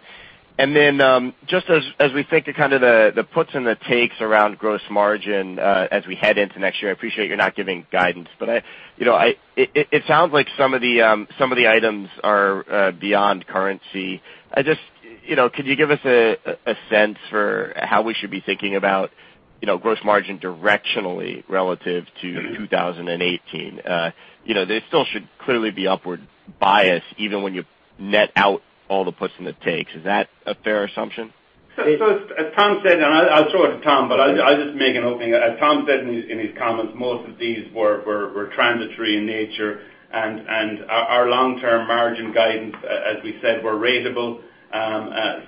Speaker 6: Just as we think of the puts and the takes around gross margin as we head into next year, I appreciate you're not giving guidance, but it sounds like some of the items are beyond currency. Can you give us a sense for how we should be thinking about gross margin directionally relative to 2018? There still should clearly be upward bias even when you net out all the puts and the takes. Is that a fair assumption?
Speaker 3: As Tom said, and I'll throw it to Tom, but I'll just make an opening. As Tom said in his comments, most of these were transitory in nature, our long-term margin guidance, as we said, were raisable. I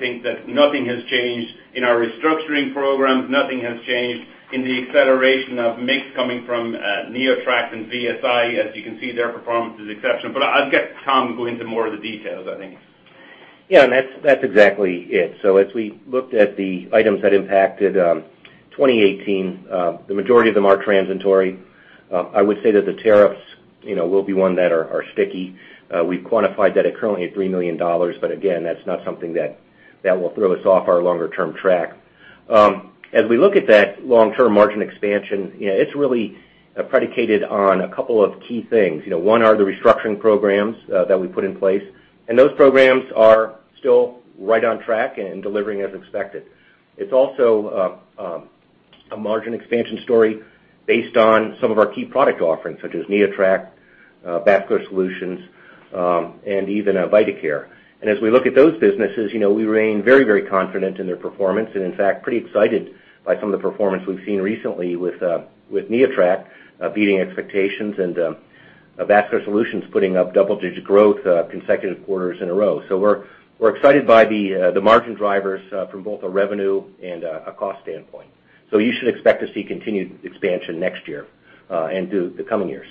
Speaker 3: think that nothing has changed in our restructuring programs. Nothing has changed in the acceleration of mix coming from NeoTract and VSI. As you can see, their performance is exceptional. I'll get Tom go into more of the details, I think.
Speaker 4: Yeah, that's exactly it. As we looked at the items that impacted 2018, the majority of them are transitory. I would say that the tariffs will be one that are sticky. We've quantified that currently at $3 million, again, that's not something that will throw us off our longer-term track. As we look at that long-term margin expansion, it's really Predicated on a couple of key things. One are the restructuring programs that we put in place, those programs are still right on track and delivering as expected. It's also a margin expansion story based on some of our key product offerings, such as NeoTract, Vascular Solutions, and even Vidacare. As we look at those businesses, we remain very confident in their performance and in fact, pretty excited by some of the performance we've seen recently with NeoTract beating expectations and Vascular Solutions putting up double-digit growth consecutive quarters in a row. We're excited by the margin drivers from both a revenue and a cost standpoint. You should expect to see continued expansion next year, and through the coming years.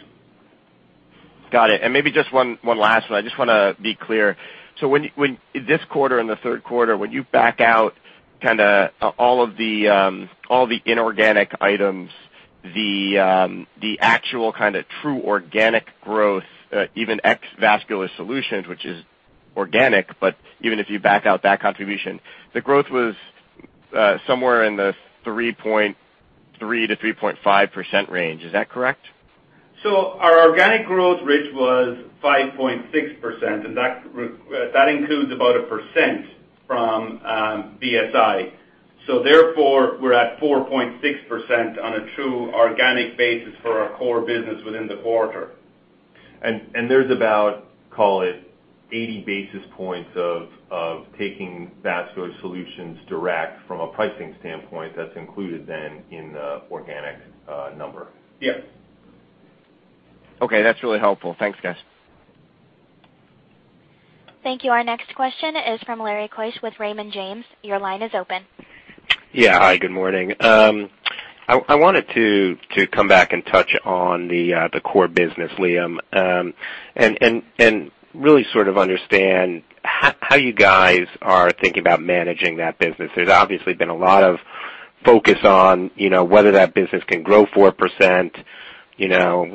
Speaker 6: Got it. Maybe just one last one. I just want to be clear. This quarter and the third quarter, when you back out all the inorganic items, the actual kind of true organic growth, even ex Vascular Solutions, which is organic, but even if you back out that contribution, the growth was somewhere in the 3.3%-3.5% range. Is that correct?
Speaker 3: Our organic growth rate was 5.6%, and that includes about one percent from VSI. Therefore, we're at 4.6% on a true organic basis for our core business within the quarter.
Speaker 2: There's about, call it, 80 basis points of taking Vascular Solutions direct from a pricing standpoint that's included then in the organic number.
Speaker 3: Yes.
Speaker 6: Okay, that's really helpful. Thanks, guys.
Speaker 1: Thank you. Our next question is from Lawrence Keusch with Raymond James. Your line is open.
Speaker 7: Yeah. Hi, good morning. I wanted to come back and touch on the core business, Liam, and really sort of understand how you guys are thinking about managing that business. There's obviously been a lot of focus on whether that business can grow 4%,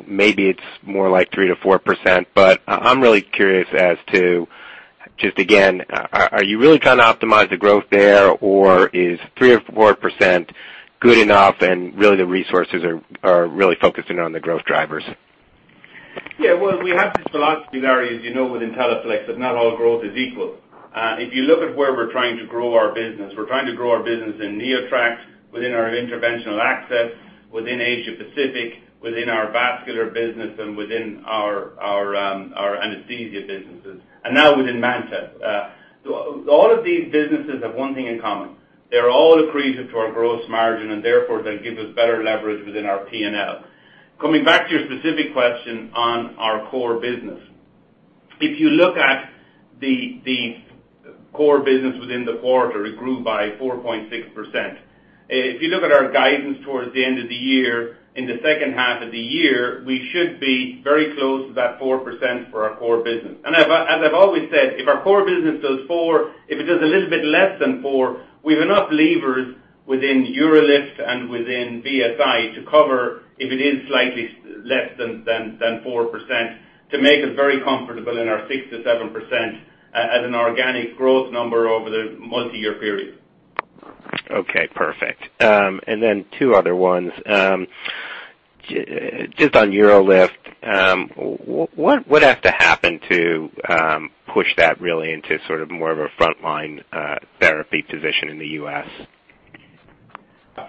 Speaker 7: maybe it's more like 3%-4%. I'm really curious as to, just again, are you really trying to optimize the growth there, or is 3% or 4% good enough and really the resources are really focusing on the growth drivers?
Speaker 3: Yeah. Well, we have this philosophy, Larry, as you know, with Teleflex, that not all growth is equal. If you look at where we're trying to grow our business, we're trying to grow our business in NeoTract, within our interventional access, within Asia Pacific, within our vascular business, and within our anesthesia businesses, and now within MANTA. All of these businesses have one thing in common. They're all accretive to our gross margin, and therefore they give us better leverage within our P&L. Coming back to your specific question on our core business. If you look at the core business within the quarter, it grew by 4.6%. If you look at our guidance towards the end of the year, in the second half of the year, we should be very close to that 4% for our core business. As I've always said, if our core business does four, if it does a little bit less than four, we've enough levers within UroLift and within VSI to cover if it is slightly less than 4%, to make us very comfortable in our 6%-7% as an organic growth number over the multi-year period.
Speaker 7: Okay, perfect. Two other ones. Just on UroLift, what would have to happen to push that really into sort of more of a frontline therapy position in the U.S.?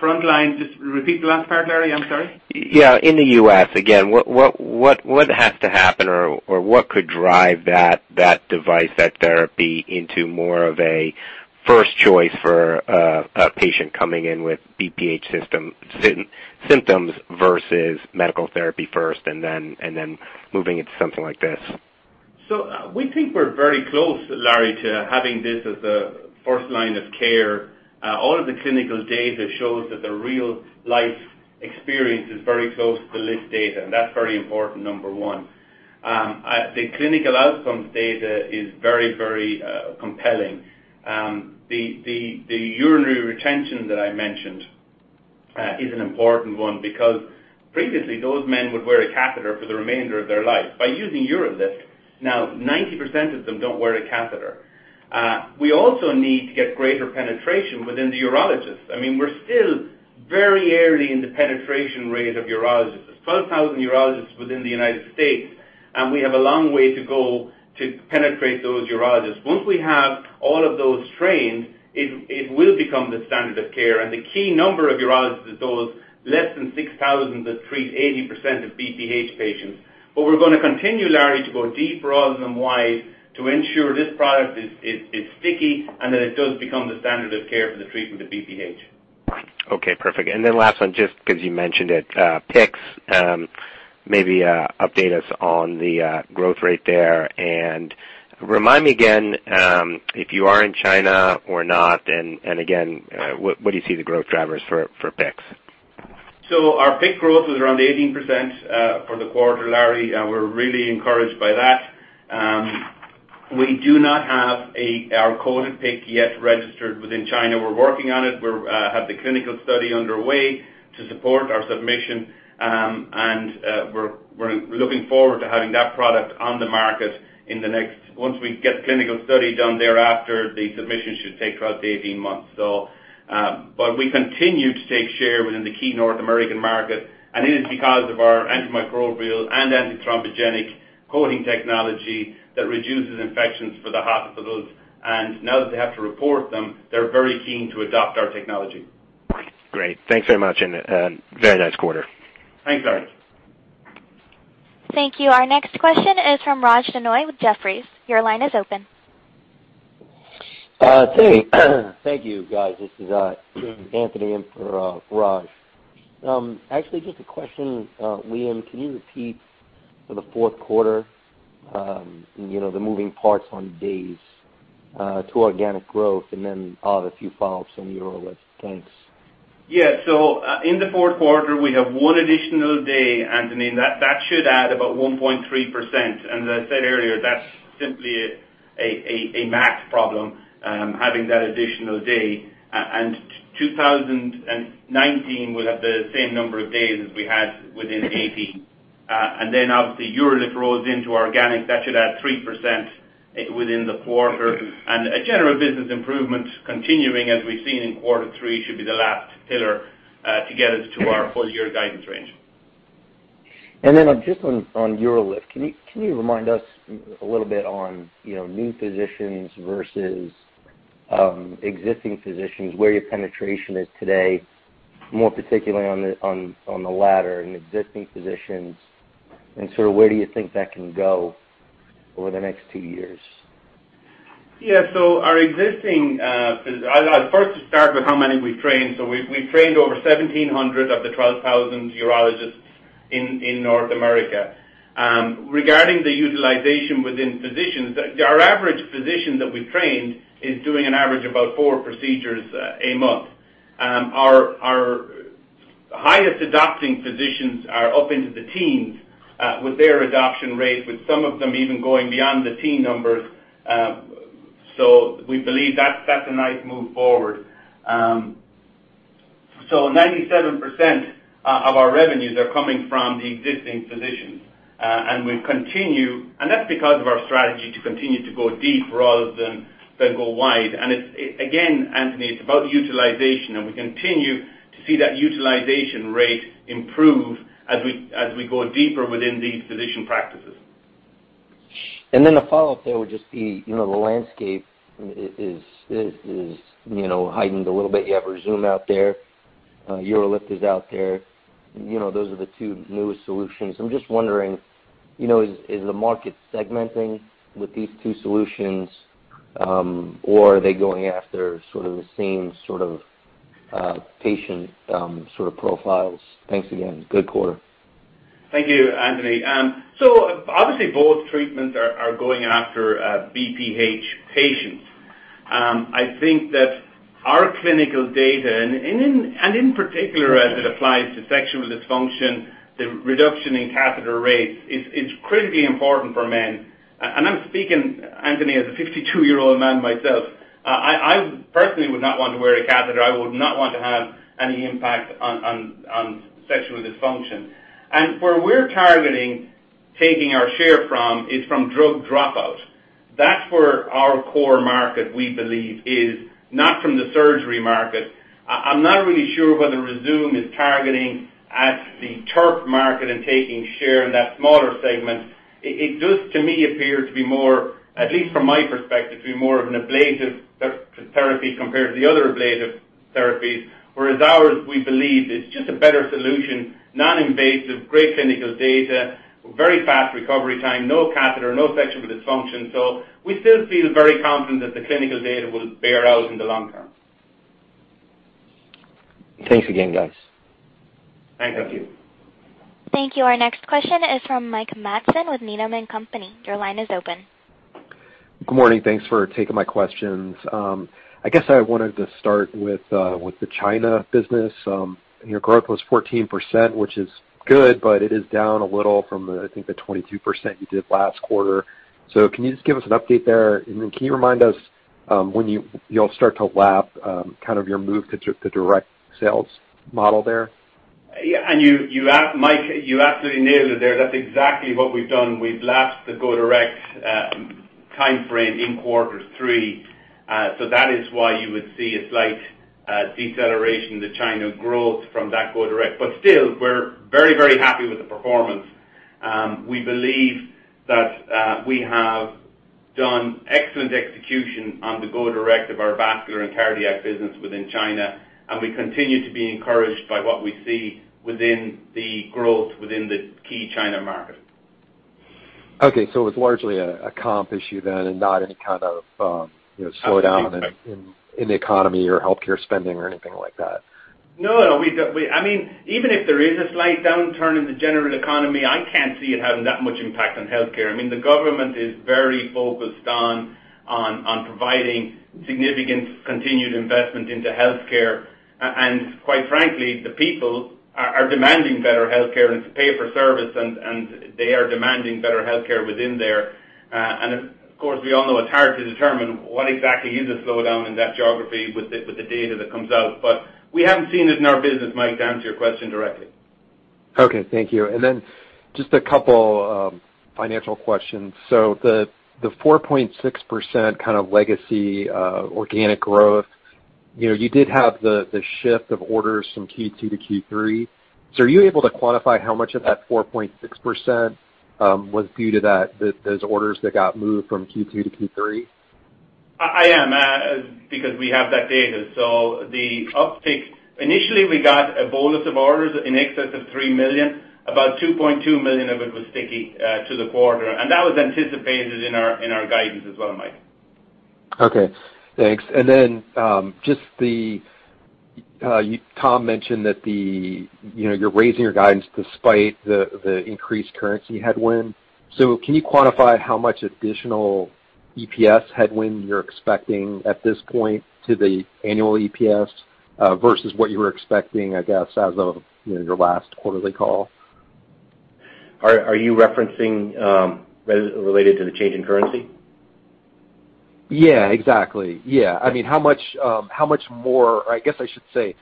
Speaker 3: Frontline, just repeat the last part, Larry, I'm sorry.
Speaker 7: Yeah. In the U.S., again, what has to happen or what could drive that device, that therapy into more of a first choice for a patient coming in with BPH symptoms versus medical therapy first and then moving into something like this?
Speaker 3: We think we're very close, Larry, to having this as a first line of care. All of the clinical data shows that the real life experience is very close to the L.I.F.T. data, and that's very important, number one. The clinical outcomes data is very compelling. The urinary retention that I mentioned is an important one because previously those men would wear a catheter for the remainder of their life. By using UroLift, now 90% of them don't wear a catheter. We also need to get greater penetration within the urologists. I mean, we're still very early in the penetration rate of urologists. There's 12,000 urologists within the United States, and we have a long way to go to penetrate those urologists. Once we have all of those trained, it will become the standard of care. The key number of urologists is those less than 6,000 that treat 80% of BPH patients. We're going to continue, Larry, to go deeper rather than wide to ensure this product is sticky and that it does become the standard of care for the treatment of BPH.
Speaker 7: Okay, perfect. Last one, just because you mentioned it, PICCs, maybe update us on the growth rate there. Remind me again, if you are in China or not, what do you see the growth drivers for PICCs?
Speaker 3: Our PICC growth was around 18% for the quarter, Larry, we're really encouraged by that. We do not have our coated PICC yet registered within China. We're working on it. We have the clinical study underway to support our submission. We're looking forward to having that product on the market once we get clinical study done thereafter, the submission should take throughout the 18 months. We continue to take share within the key North American market, it is because of our antimicrobial and antithrombogenic coating technology that reduces infections for the hospitals. Now that they have to report them, they're very keen to adopt our technology.
Speaker 7: Great. Thanks very much and very nice quarter.
Speaker 3: Thanks, Larry.
Speaker 1: Thank you. Our next question is from Raj Denhoy with Jefferies. Your line is open.
Speaker 8: Thank you, guys. This is Anthony in for Raj. Actually, just a question, Liam. Can you repeat for the fourth quarter, the moving parts on days to organic growth? I'll have a few follow-ups on UroLift. Thanks.
Speaker 3: Yeah. In the fourth quarter, we have one additional day, Anthony. That should add about 1.3%. As I said earlier, that's simply a math problem, having that additional day. 2019 will have the same number of days as we had within 2018. Obviously UroLift rolls into organic. That should add 3% within the quarter. A general business improvement continuing as we've seen in quarter three should be the last pillar to get us to our full-year guidance range.
Speaker 8: Just on UroLift. Can you remind us a little bit on new physicians versus existing physicians, where your penetration is today, more particularly on the latter, in existing physicians, and sort of where do you think that can go over the next two years?
Speaker 3: Yeah. I'll first start with how many we've trained. We've trained over 1,700 of the 12,000 urologists in North America. Regarding the utilization within physicians, our average physician that we've trained is doing an average of about four procedures a month. Our highest adopting physicians are up into the teens with their adoption rate, with some of them even going beyond the teen numbers. We believe that's a nice move forward. 97% of our revenues are coming from the existing physicians. That's because of our strategy to continue to go deep rather than go wide. Again, Anthony, it's about utilization. We continue to see that utilization rate improve as we go deeper within these physician practices.
Speaker 8: A follow-up there would just be the landscape is heightened a little bit. You have Rezum out there. UroLift is out there. Those are the two newest solutions. I'm just wondering, is the market segmenting with these two solutions? Are they going after sort of the same sort of patient sort of profiles? Thanks again. Good quarter.
Speaker 3: Thank you, Anthony. Obviously, both treatments are going after BPH patients. I think that our clinical data, and in particular as it applies to sexual dysfunction, the reduction in catheter rates, it's critically important for men. I'm speaking, Anthony, as a 52-year-old man myself. I personally would not want to wear a catheter. I would not want to have any impact on sexual dysfunction. Where we're targeting taking our share from is from drug dropout. That's where our core market, we believe is, not from the surgery market. I'm not really sure whether Rezum is targeting at the TURP market and taking share in that smaller segment. It does, to me, appear to be more, at least from my perspective, be more of an ablative therapy compared to the other ablative therapies. Ours, we believe, is just a better solution. Non-invasive, great clinical data, very fast recovery time, no catheter, no sexual dysfunction. We still feel very confident that the clinical data will bear out in the long term.
Speaker 8: Thanks again, guys.
Speaker 3: Thank you.
Speaker 1: Thank you. Our next question is from Mike Matson with Needham & Company. Your line is open.
Speaker 9: Good morning. Thanks for taking my questions. I wanted to start with the China business. Your growth was 14%, which is good, but it is down a little from, I think, the 22% you did last quarter. Can you just give us an update there? Can you remind us when you'll start to lap kind of your move to direct sales model there?
Speaker 3: Yeah. Mike, you absolutely nailed it there. That's exactly what we've done. We've lapped the go direct timeframe in quarter three. That is why you would see a slight deceleration in the China growth from that go direct. Still, we're very happy with the performance. We believe that we have done excellent execution on the go direct of our vascular and cardiac business within China, and we continue to be encouraged by what we see within the growth within the key China market.
Speaker 9: Okay, it was largely a comp issue then and not any kind of slowdown?
Speaker 3: I see
Speaker 9: in the economy or healthcare spending or anything like that.
Speaker 3: No. Even if there is a slight downturn in the general economy, I can't see it having that much impact on healthcare. The government is very focused on providing significant continued investment into healthcare. Quite frankly, the people are demanding better healthcare and it's pay for service, and they are demanding better healthcare within there. Of course, we all know it's hard to determine what exactly is a slowdown in that geography with the data that comes out. We haven't seen it in our business, Mike, to answer your question directly.
Speaker 9: Okay, thank you. Just a couple financial questions. The 4.6% kind of legacy organic growth, you did have the shift of orders from Q2 to Q3. Are you able to quantify how much of that 4.6% was due to those orders that got moved from Q2 to Q3?
Speaker 3: I am, because we have that data. The uptick, initially we got a bolus of orders in excess of $3 million. About $2.2 million of it was sticky to the quarter, that was anticipated in our guidance as well, Mike.
Speaker 9: Okay, thanks. Tom mentioned that you're raising your guidance despite the increased currency headwind. Can you quantify how much additional EPS headwind you're expecting at this point to the annual EPS versus what you were expecting, I guess, as of your last quarterly call?
Speaker 4: Are you referencing related to the change in currency?
Speaker 9: Yeah, exactly. I mean, how much more, or I guess I should say,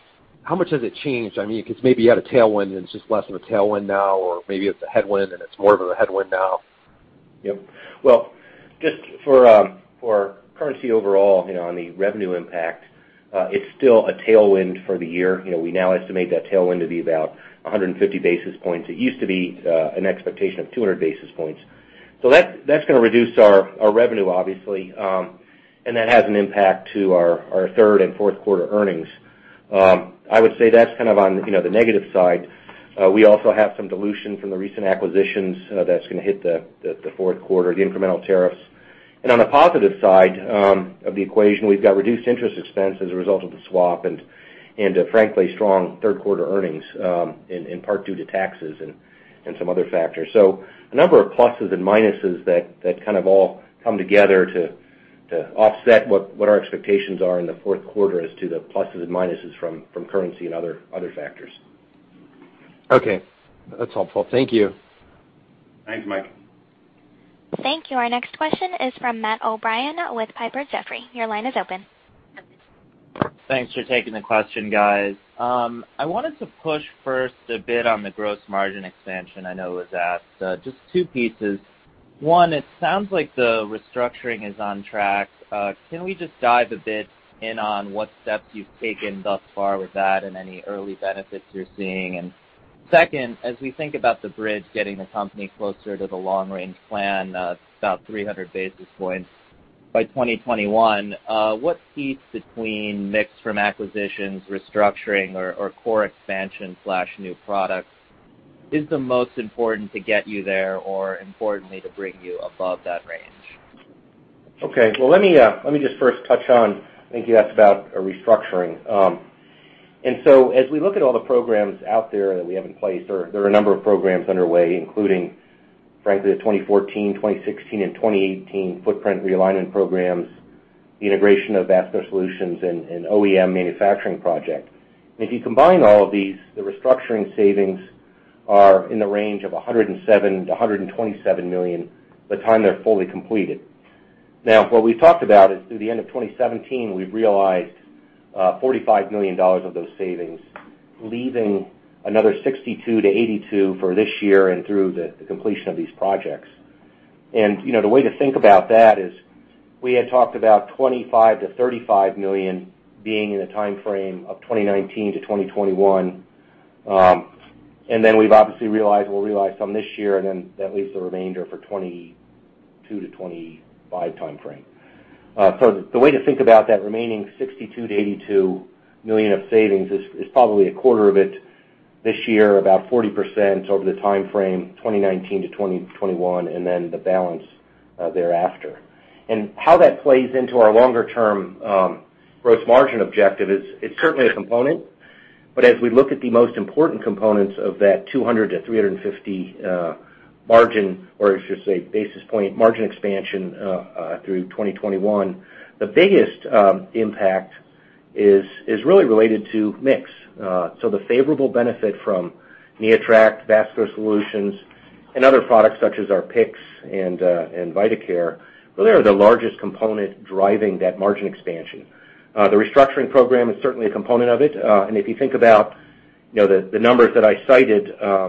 Speaker 9: how much has it changed? I mean, because maybe you had a tailwind and it's just less of a tailwind now, or maybe it's a headwind and it's more of a headwind now.
Speaker 4: Yep. Well, just for currency overall on the revenue impact, it's still a tailwind for the year. We now estimate that tailwind to be about 150 basis points. It used to be an expectation of 200 basis points. That's going to reduce our revenue, obviously. That has an impact to our third and fourth quarter earnings. I would say that's kind of on the negative side. We also have some dilution from the recent acquisitions that's going to hit the fourth quarter, the incremental tariffs. On the positive side of the equation, we've got reduced interest expense as a result of the swap and, frankly, strong third quarter earnings, in part due to taxes and some other factors. A number of pluses and minuses that kind of all come together to offset what our expectations are in the fourth quarter as to the pluses and minuses from currency and other factors.
Speaker 9: Okay. That's helpful. Thank you.
Speaker 4: Thanks, Mike.
Speaker 1: Thank you. Our next question is from Matt O'Brien with Piper Jaffray. Your line is open.
Speaker 10: Thanks for taking the question, guys. I wanted to push first a bit on the gross margin expansion I know was asked. Just two pieces. One, it sounds like the restructuring is on track. Can we just dive a bit in on what steps you've taken thus far with that and any early benefits you're seeing? Second, as we think about the bridge getting the company closer to the long-range plan, about 300 basis points by 2021, what piece between mix from acquisitions, restructuring or core expansion/new products is the most important to get you there, or importantly, to bring you above that range?
Speaker 4: Okay. Well, let me just first touch on, I think you asked about a restructuring. As we look at all the programs out there that we have in place, there are a number of programs underway, including, frankly, the 2014, 2016, and 2018 footprint realignment programs, the integration of Vascular Solutions and OEM manufacturing project. If you combine all of these, the restructuring savings are in the range of $107 million-$127 million by the time they're fully completed. Now, what we talked about is through the end of 2017, we've realized $45 million of those savings, leaving another $62 million-$82 million for this year and through the completion of these projects. The way to think about that is we had talked about $25 million-$35 million being in the timeframe of 2019-2021. We've obviously realized we'll realize some this year, and then that leaves the remainder for 2022-2025 timeframe. The way to think about that remaining $62 million-$82 million of savings is probably a quarter of it this year, about 40% over the timeframe 2019-2021, and then the balance thereafter. How that plays into our longer-term gross margin objective is it's certainly a component. As we look at the most important components of that 200-350 basis point margin expansion through 2021, the biggest impact is really related to mix. The favorable benefit from NeoTract, Vascular Solutions and other products such as our PICCs and Vidacare, really are the largest component driving that margin expansion. The restructuring program is certainly a component of it. If you think about the numbers that I cited of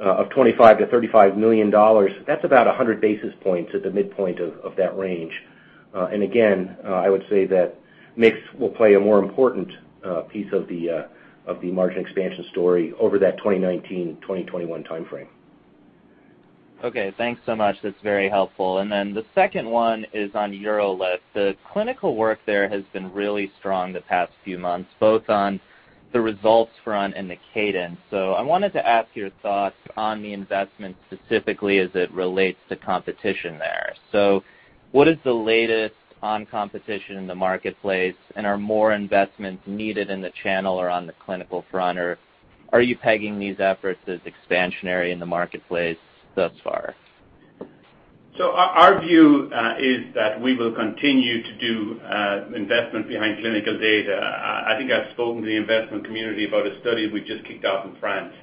Speaker 4: $25 million-$35 million, that's about 100 basis points at the midpoint of that range. Again, I would say that mix will play a more important piece of the margin expansion story over that 2019-2021 timeframe.
Speaker 10: Okay, thanks so much. That's very helpful. The second one is on UroLift. The clinical work there has been really strong the past few months, both on the results front and the cadence. I wanted to ask your thoughts on the investment specifically as it relates to competition there. What is the latest on competition in the marketplace, and are more investments needed in the channel or on the clinical front, or are you pegging these efforts as expansionary in the marketplace thus far?
Speaker 3: Our view is that we will continue to do investment behind clinical data. I think I've spoken to the investment community about a study we just kicked off in France.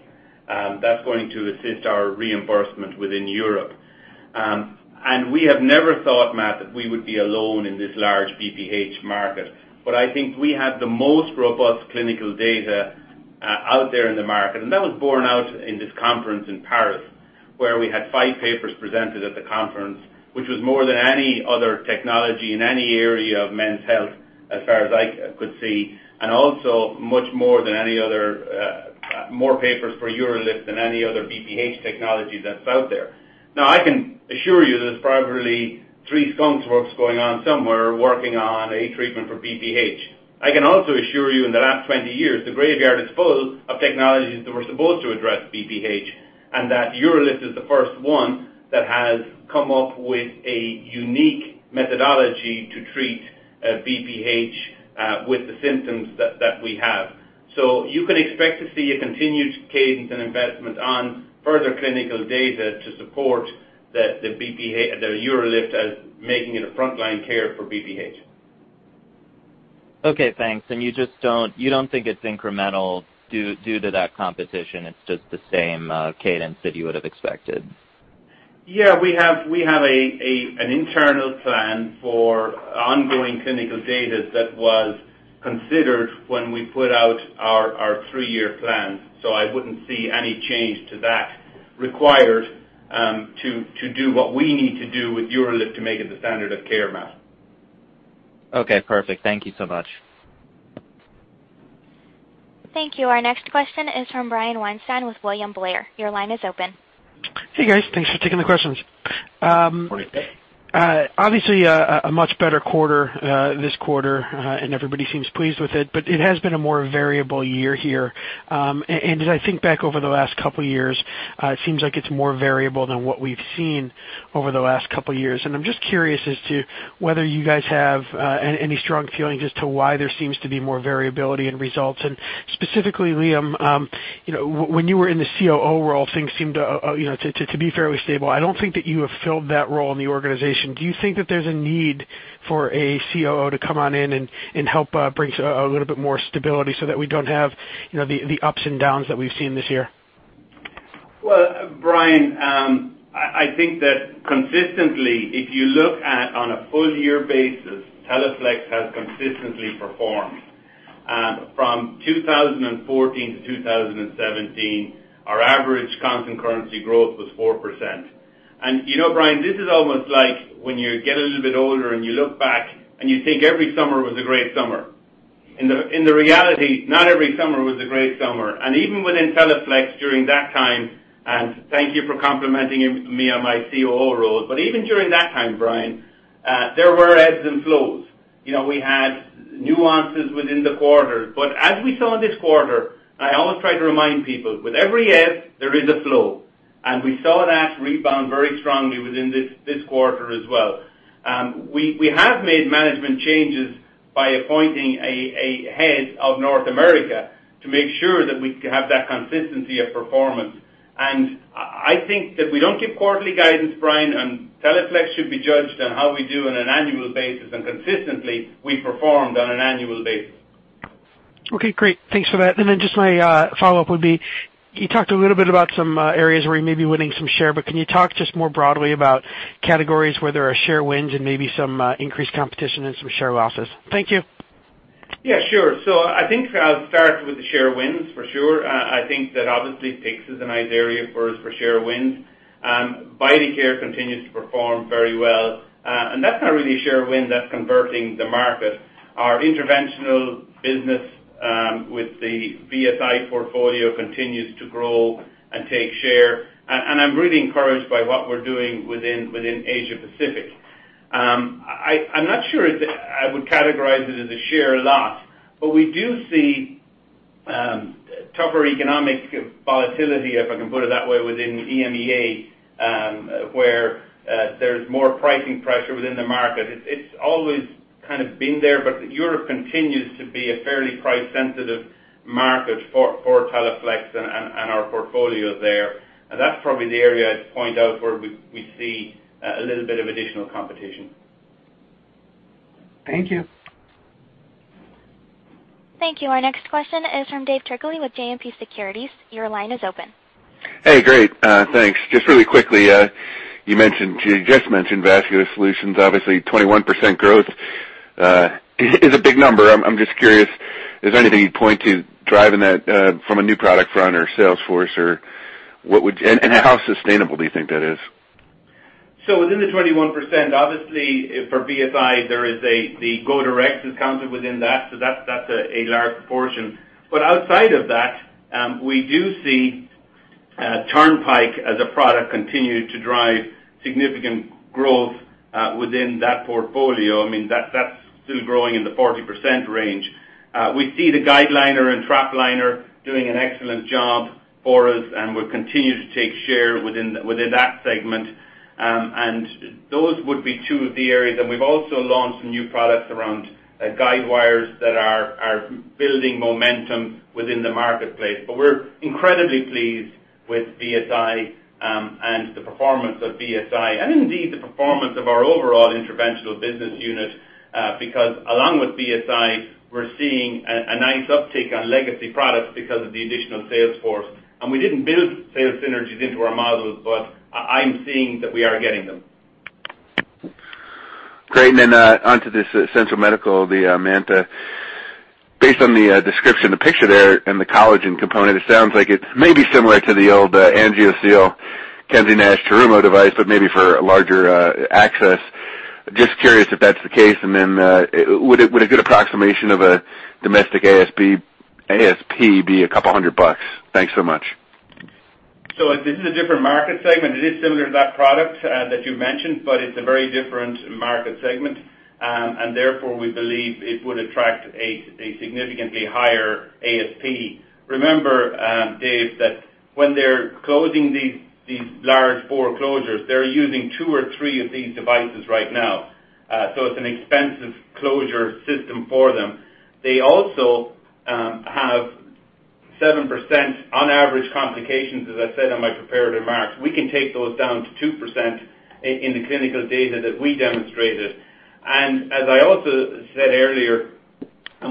Speaker 3: That's going to assist our reimbursement within Europe. And we have never thought, Matt, that we would be alone in this large BPH market, but I think we have the most robust clinical data out there in the market. That was borne out in this conference in Paris, where we had five papers presented at the conference, which was more than any other technology in any area of men's health, as far as I could see, and also much more than any other More papers for UroLift than any other BPH technology that's out there. I can assure you there's probably three skunkworks going on somewhere working on a treatment for BPH. I can also assure you, in the last 20 years, the graveyard is full of technologies that were supposed to address BPH, and that UroLift is the first one that has come up with a unique methodology to treat BPH with the symptoms that we have. You can expect to see a continued cadence and investment on further clinical data to support the UroLift as making it a frontline care for BPH.
Speaker 10: Okay, thanks. You don't think it's incremental due to that competition? It's just the same cadence that you would have expected.
Speaker 3: Yeah. We have an internal plan for ongoing clinical data that was considered when we put out our three-year plan. I wouldn't see any change to that required to do what we need to do with UroLift to make it the standard of care, Matt.
Speaker 10: Okay, perfect. Thank you so much.
Speaker 1: Thank you. Our next question is from Brian Weinstein with William Blair. Your line is open.
Speaker 11: Hey, guys. Thanks for taking the questions.
Speaker 3: Morning, Brian.
Speaker 11: Obviously, a much better quarter this quarter, everybody seems pleased with it, but it has been a more variable year here. As I think back over the last couple of years, it seems like it's more variable than what we've seen over the last couple of years. I'm just curious as to whether you guys have any strong feelings as to why there seems to be more variability in results. Specifically, Liam, when you were in the COO role, things seemed to be fairly stable. I don't think that you have filled that role in the organization. Do you think that there's a need for a COO to come on in and help bring a little bit more stability so that we don't have the ups and downs that we've seen this year?
Speaker 3: Well, Brian, I think that consistently, if you look at on a full year basis, Teleflex has consistently performed. From 2014-2017, our average constant currency growth was 4%. Brian, this is almost like when you get a little bit older and you look back, and you think every summer was a great summer. In the reality, not every summer was a great summer. Even within Teleflex during that time, thank you for complimenting me on my COO role, even during that time, Brian, there were ebbs and flows. We had nuances within the quarters. As we saw this quarter, I always try to remind people, with every ebb, there is a flow, and we saw that rebound very strongly within this quarter as well. We have made management changes by appointing a head of North America to make sure that we have that consistency of performance. I think that we don't give quarterly guidance, Brian, Teleflex should be judged on how we do on an annual basis. Consistently, we performed on an annual basis.
Speaker 11: Okay, great. Thanks for that. Just my follow-up would be, you talked a little bit about some areas where you may be winning some share, but can you talk just more broadly about categories where there are share wins and maybe some increased competition and some share losses? Thank you.
Speaker 3: Yeah, sure. I think I'll start with the share wins for sure. I think that obviously PICC is a nice area for us for share wins. Vidacare continues to perform very well, and that's not really a share win. That's converting the market. Our interventional business with the VSI portfolio continues to grow and take share. I'm really encouraged by what we're doing within Asia Pacific. I'm not sure I would categorize it as a share loss, but we do see tougher economic volatility, if I can put it that way, within EMEA, where there's more pricing pressure within the market. It's always kind of been there, but Europe continues to be a fairly price-sensitive market for Teleflex and our portfolio there. That's probably the area I'd point out where we see a little bit of additional competition.
Speaker 11: Thank you.
Speaker 1: Thank you. Our next question is from Dave Turkaly with JMP Securities. Your line is open.
Speaker 12: Hey, great. Thanks. Just really quickly, you just mentioned Vascular Solutions. Obviously, 21% growth is a big number. I'm just curious if there's anything you'd point to driving that from a new product front or sales force, and how sustainable do you think that is?
Speaker 3: Within the 21%, obviously for VSI, there is the go-direct is counted within that's a large proportion. Outside of that, we do see Turnpike as a product continue to drive significant growth within that portfolio. That's still growing in the 40% range. We see the GuideLiner and TrapLiner doing an excellent job for us and will continue to take share within that segment. Those would be two of the areas. We've also launched some new products around guidewires that are building momentum within the marketplace. We're incredibly pleased with VSI and the performance of VSI, and indeed the performance of our overall interventional business unit. Along with VSI, we're seeing a nice uptick on legacy products because of the additional sales force. We didn't build sales synergies into our models, I'm seeing that we are getting them.
Speaker 12: Great. Onto this Essential Medical, the MANTA. Based on the description, the picture there, and the collagen component, it sounds like it may be similar to the old Angio-Seal, Kensey Nash Terumo device, maybe for a larger access. Just curious if that's the case. Would a good approximation of a domestic ASP be a couple of hundred $? Thanks so much.
Speaker 3: This is a different market segment. It is similar to that product that you mentioned, it's a very different market segment. Therefore, we believe it would attract a significantly higher ASP. Remember, Dave, that when they're closing these large bore closures, they're using two or three of these devices right now. It's an expensive closure system for them. They also have 7% on average complications, as I said in my prepared remarks. We can take those down to 2% in the clinical data that we demonstrated. As I also said earlier,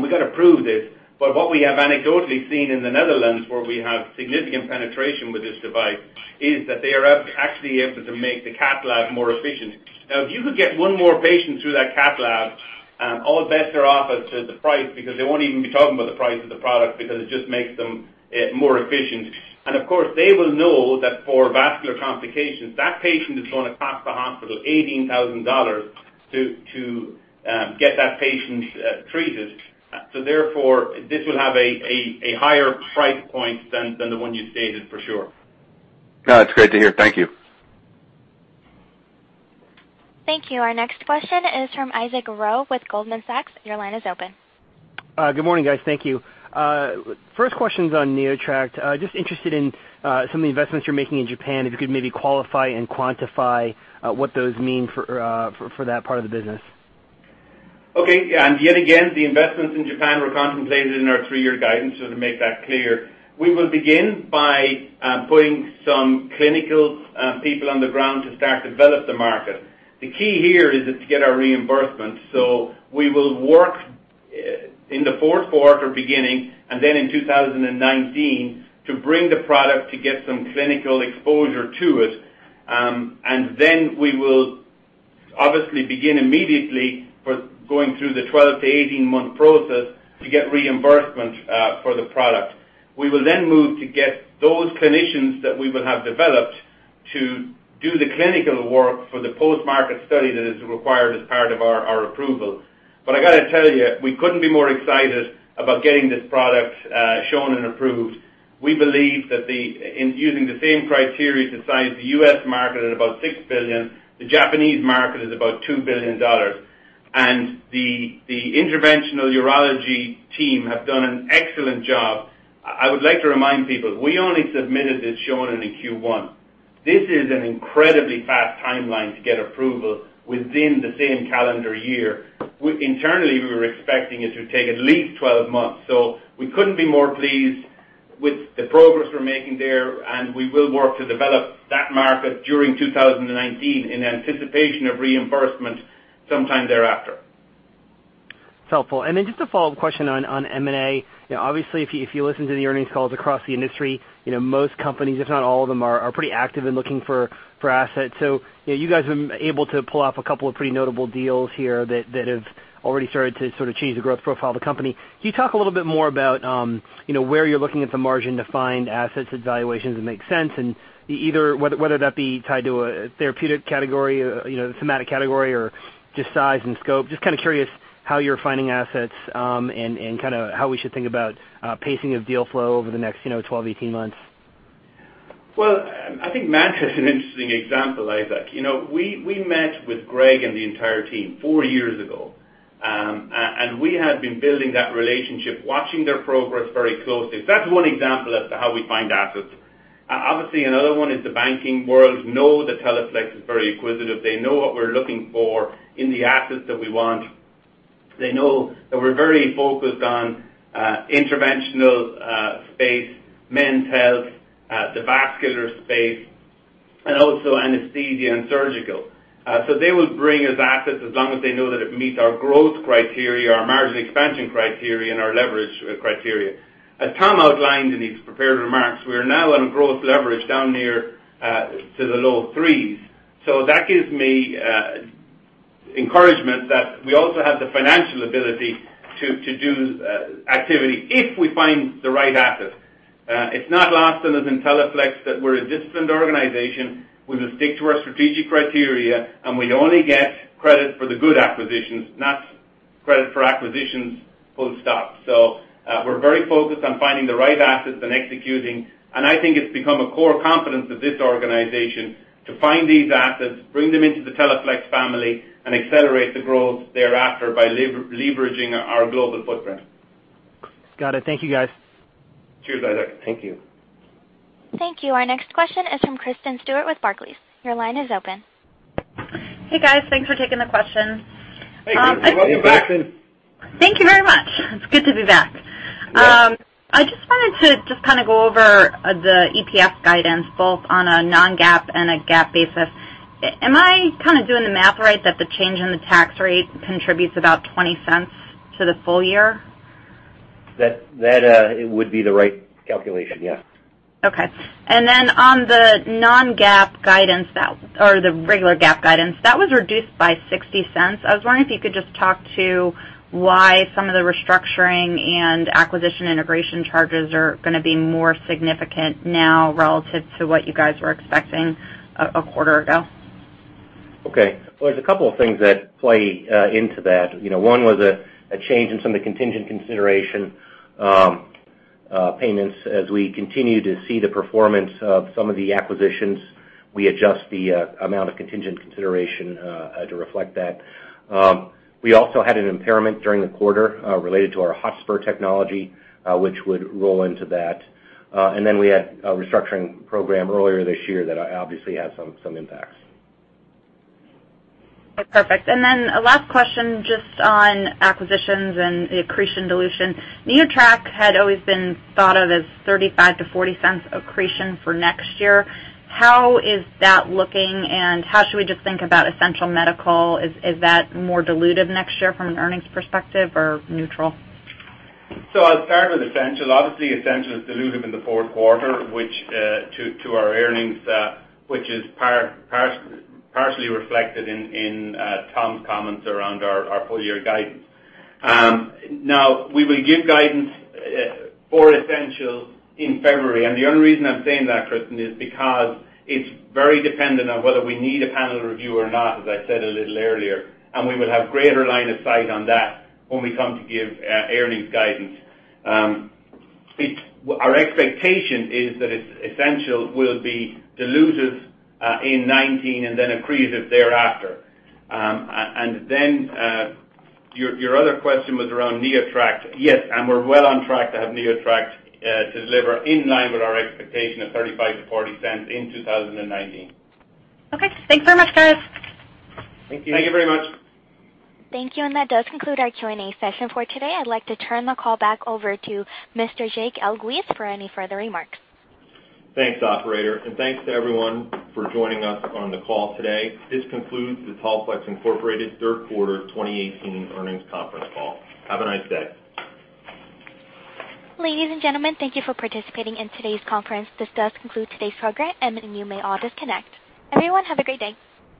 Speaker 3: we got to prove this, what we have anecdotally seen in the Netherlands, where we have significant penetration with this device, is that they are actually able to make the cath lab more efficient. If you could get one more patient through that cath lab, all bets are off as to the price because they won't even be talking about the price of the product because it just makes them more efficient. They will know that for vascular complications, that patient is going to cost the hospital $18,000 to get that patient treated. This will have a higher price point than the one you stated for sure.
Speaker 12: That's great to hear. Thank you.
Speaker 1: Thank you. Our next question is from Isaac Ro with Goldman Sachs. Your line is open.
Speaker 13: Good morning, guys. Thank you. First question's on NeoTract. Just interested in some of the investments you're making in Japan. If you could maybe qualify and quantify what those mean for that part of the business.
Speaker 3: Yet again, the investments in Japan were contemplated in our three-year guidance just to make that clear. We will begin by putting some clinical people on the ground to start to develop the market. The key here is to get our reimbursement. We will work in the fourth quarter beginning and then in 2019 to bring the product to get some clinical exposure to it, and then we will obviously begin immediately for going through the 12 to 18-month process to get reimbursement for the product. We will then move to get those clinicians that we will have developed to do the clinical work for the post-market study that is required as part of our approval. I got to tell you, we couldn't be more excited about getting this product Shonin approved. We believe that in using the same criteria to size the U.S. market at about $6 billion, the Japanese market is about $2 billion. The interventional urology team have done an excellent job. I would like to remind people, we only submitted this Shonin in Q1. This is an incredibly fast timeline to get approval within the same calendar year. Internally, we were expecting it to take at least 12 months. We couldn't be more pleased with the progress we're making there, and we will work to develop that market during 2019 in anticipation of reimbursement sometime thereafter.
Speaker 13: It's helpful. Then just a follow-up question on M&A. Obviously, if you listen to the earnings calls across the industry, most companies, if not all of them, are pretty active in looking for assets. You guys have been able to pull off a couple of pretty notable deals here that have already started to sort of change the growth profile of the company. Can you talk a little bit more about where you're looking at the margin to find assets at valuations that make sense, and either whether that be tied to a therapeutic category, thematic category, or just size and scope. Just kind of curious how you're finding assets and kind of how we should think about pacing of deal flow over the next 12-18 months.
Speaker 3: Well, I think MANTA is an interesting example, Isaac. We met with Greg and the entire team four years ago. We had been building that relationship, watching their progress very closely. That's one example as to how we find assets. Obviously, another one is the banking world know that Teleflex is very inquisitive. They know what we're looking for in the assets that we want. They know that we're very focused on interventional space, men's health, the vascular space, and also anesthesia and surgical. They will bring us assets as long as they know that it meets our growth criteria, our margin expansion criteria, and our leverage criteria. As Tom outlined in his prepared remarks, we are now on growth leverage down near to the low threes. That gives me encouragement that we also have the financial ability to do activity if we find the right asset. It's not lost on us in Teleflex that we're a disciplined organization. We will stick to our strategic criteria. We only get credit for the good acquisitions, not credit for acquisitions full stop. We're very focused on finding the right assets and executing. I think it's become a core competence of this organization to find these assets, bring them into the Teleflex family, and accelerate the growth thereafter by leveraging our global footprint.
Speaker 13: Got it. Thank you, guys.
Speaker 1: Cheers, Isaac. Thank you. Thank you. Our next question is from Kristen Stewart with Barclays. Your line is open.
Speaker 14: Hey, guys. Thanks for taking the question.
Speaker 3: Hey, Kristen. Welcome back.
Speaker 14: Thank you very much. It's good to be back.
Speaker 3: Yeah.
Speaker 14: I just wanted to just kind of go over the EPS guidance, both on a non-GAAP and a GAAP basis. Am I kind of doing the math right that the change in the tax rate contributes about $0.20 to the full year?
Speaker 3: That would be the right calculation, yeah.
Speaker 14: Okay. On the non-GAAP guidance or the regular GAAP guidance, that was reduced by $0.60. I was wondering if you could just talk to why some of the restructuring and acquisition integration charges are going to be more significant now relative to what you guys were expecting a quarter ago.
Speaker 3: Okay. Well, there's a couple of things that play into that. One was a change in some of the contingent consideration payments. As we continue to see the performance of some of the acquisitions, we adjust the amount of contingent consideration to reflect that. We also had an impairment during the quarter related to our Hotspur technology, which would roll into that. We had a restructuring program earlier this year that obviously had some impacts.
Speaker 14: Perfect. A last question just on acquisitions and the accretion dilution. NeoTract had always been thought of as $0.35-$0.40 accretion for next year. How is that looking, how should we just think about Essential Medical? Is that more dilutive next year from an earnings perspective or neutral?
Speaker 3: I'll start with Essential. Obviously, Essential is dilutive in the fourth quarter, to our earnings, which is partially reflected in Tom's comments around our full-year guidance. We will give guidance for Essential in February, the only reason I'm saying that, Kristen, is because it's very dependent on whether we need a panel review or not, as I said a little earlier, we will have greater line of sight on that when we come to give earnings guidance. Our expectation is that Essential will be dilutive in 2019 and then accretive thereafter. Your other question was around NeoTract. Yes, we're well on track to have NeoTract to deliver in line with our expectation of $0.35-$0.40 in 2019.
Speaker 14: Thanks very much, guys.
Speaker 3: Thank you.
Speaker 2: Thank you very much.
Speaker 1: Thank you, and that does conclude our Q&A session for today. I'd like to turn the call back over to Mr. Jake Elguicze for any further remarks.
Speaker 2: Thanks, operator, and thanks to everyone for joining us on the call today. This concludes the Teleflex Incorporated third quarter 2018 earnings conference call. Have a nice day.
Speaker 1: Ladies and gentlemen, thank you for participating in today's conference. This does conclude today's program, and you may all disconnect. Everyone, have a great day.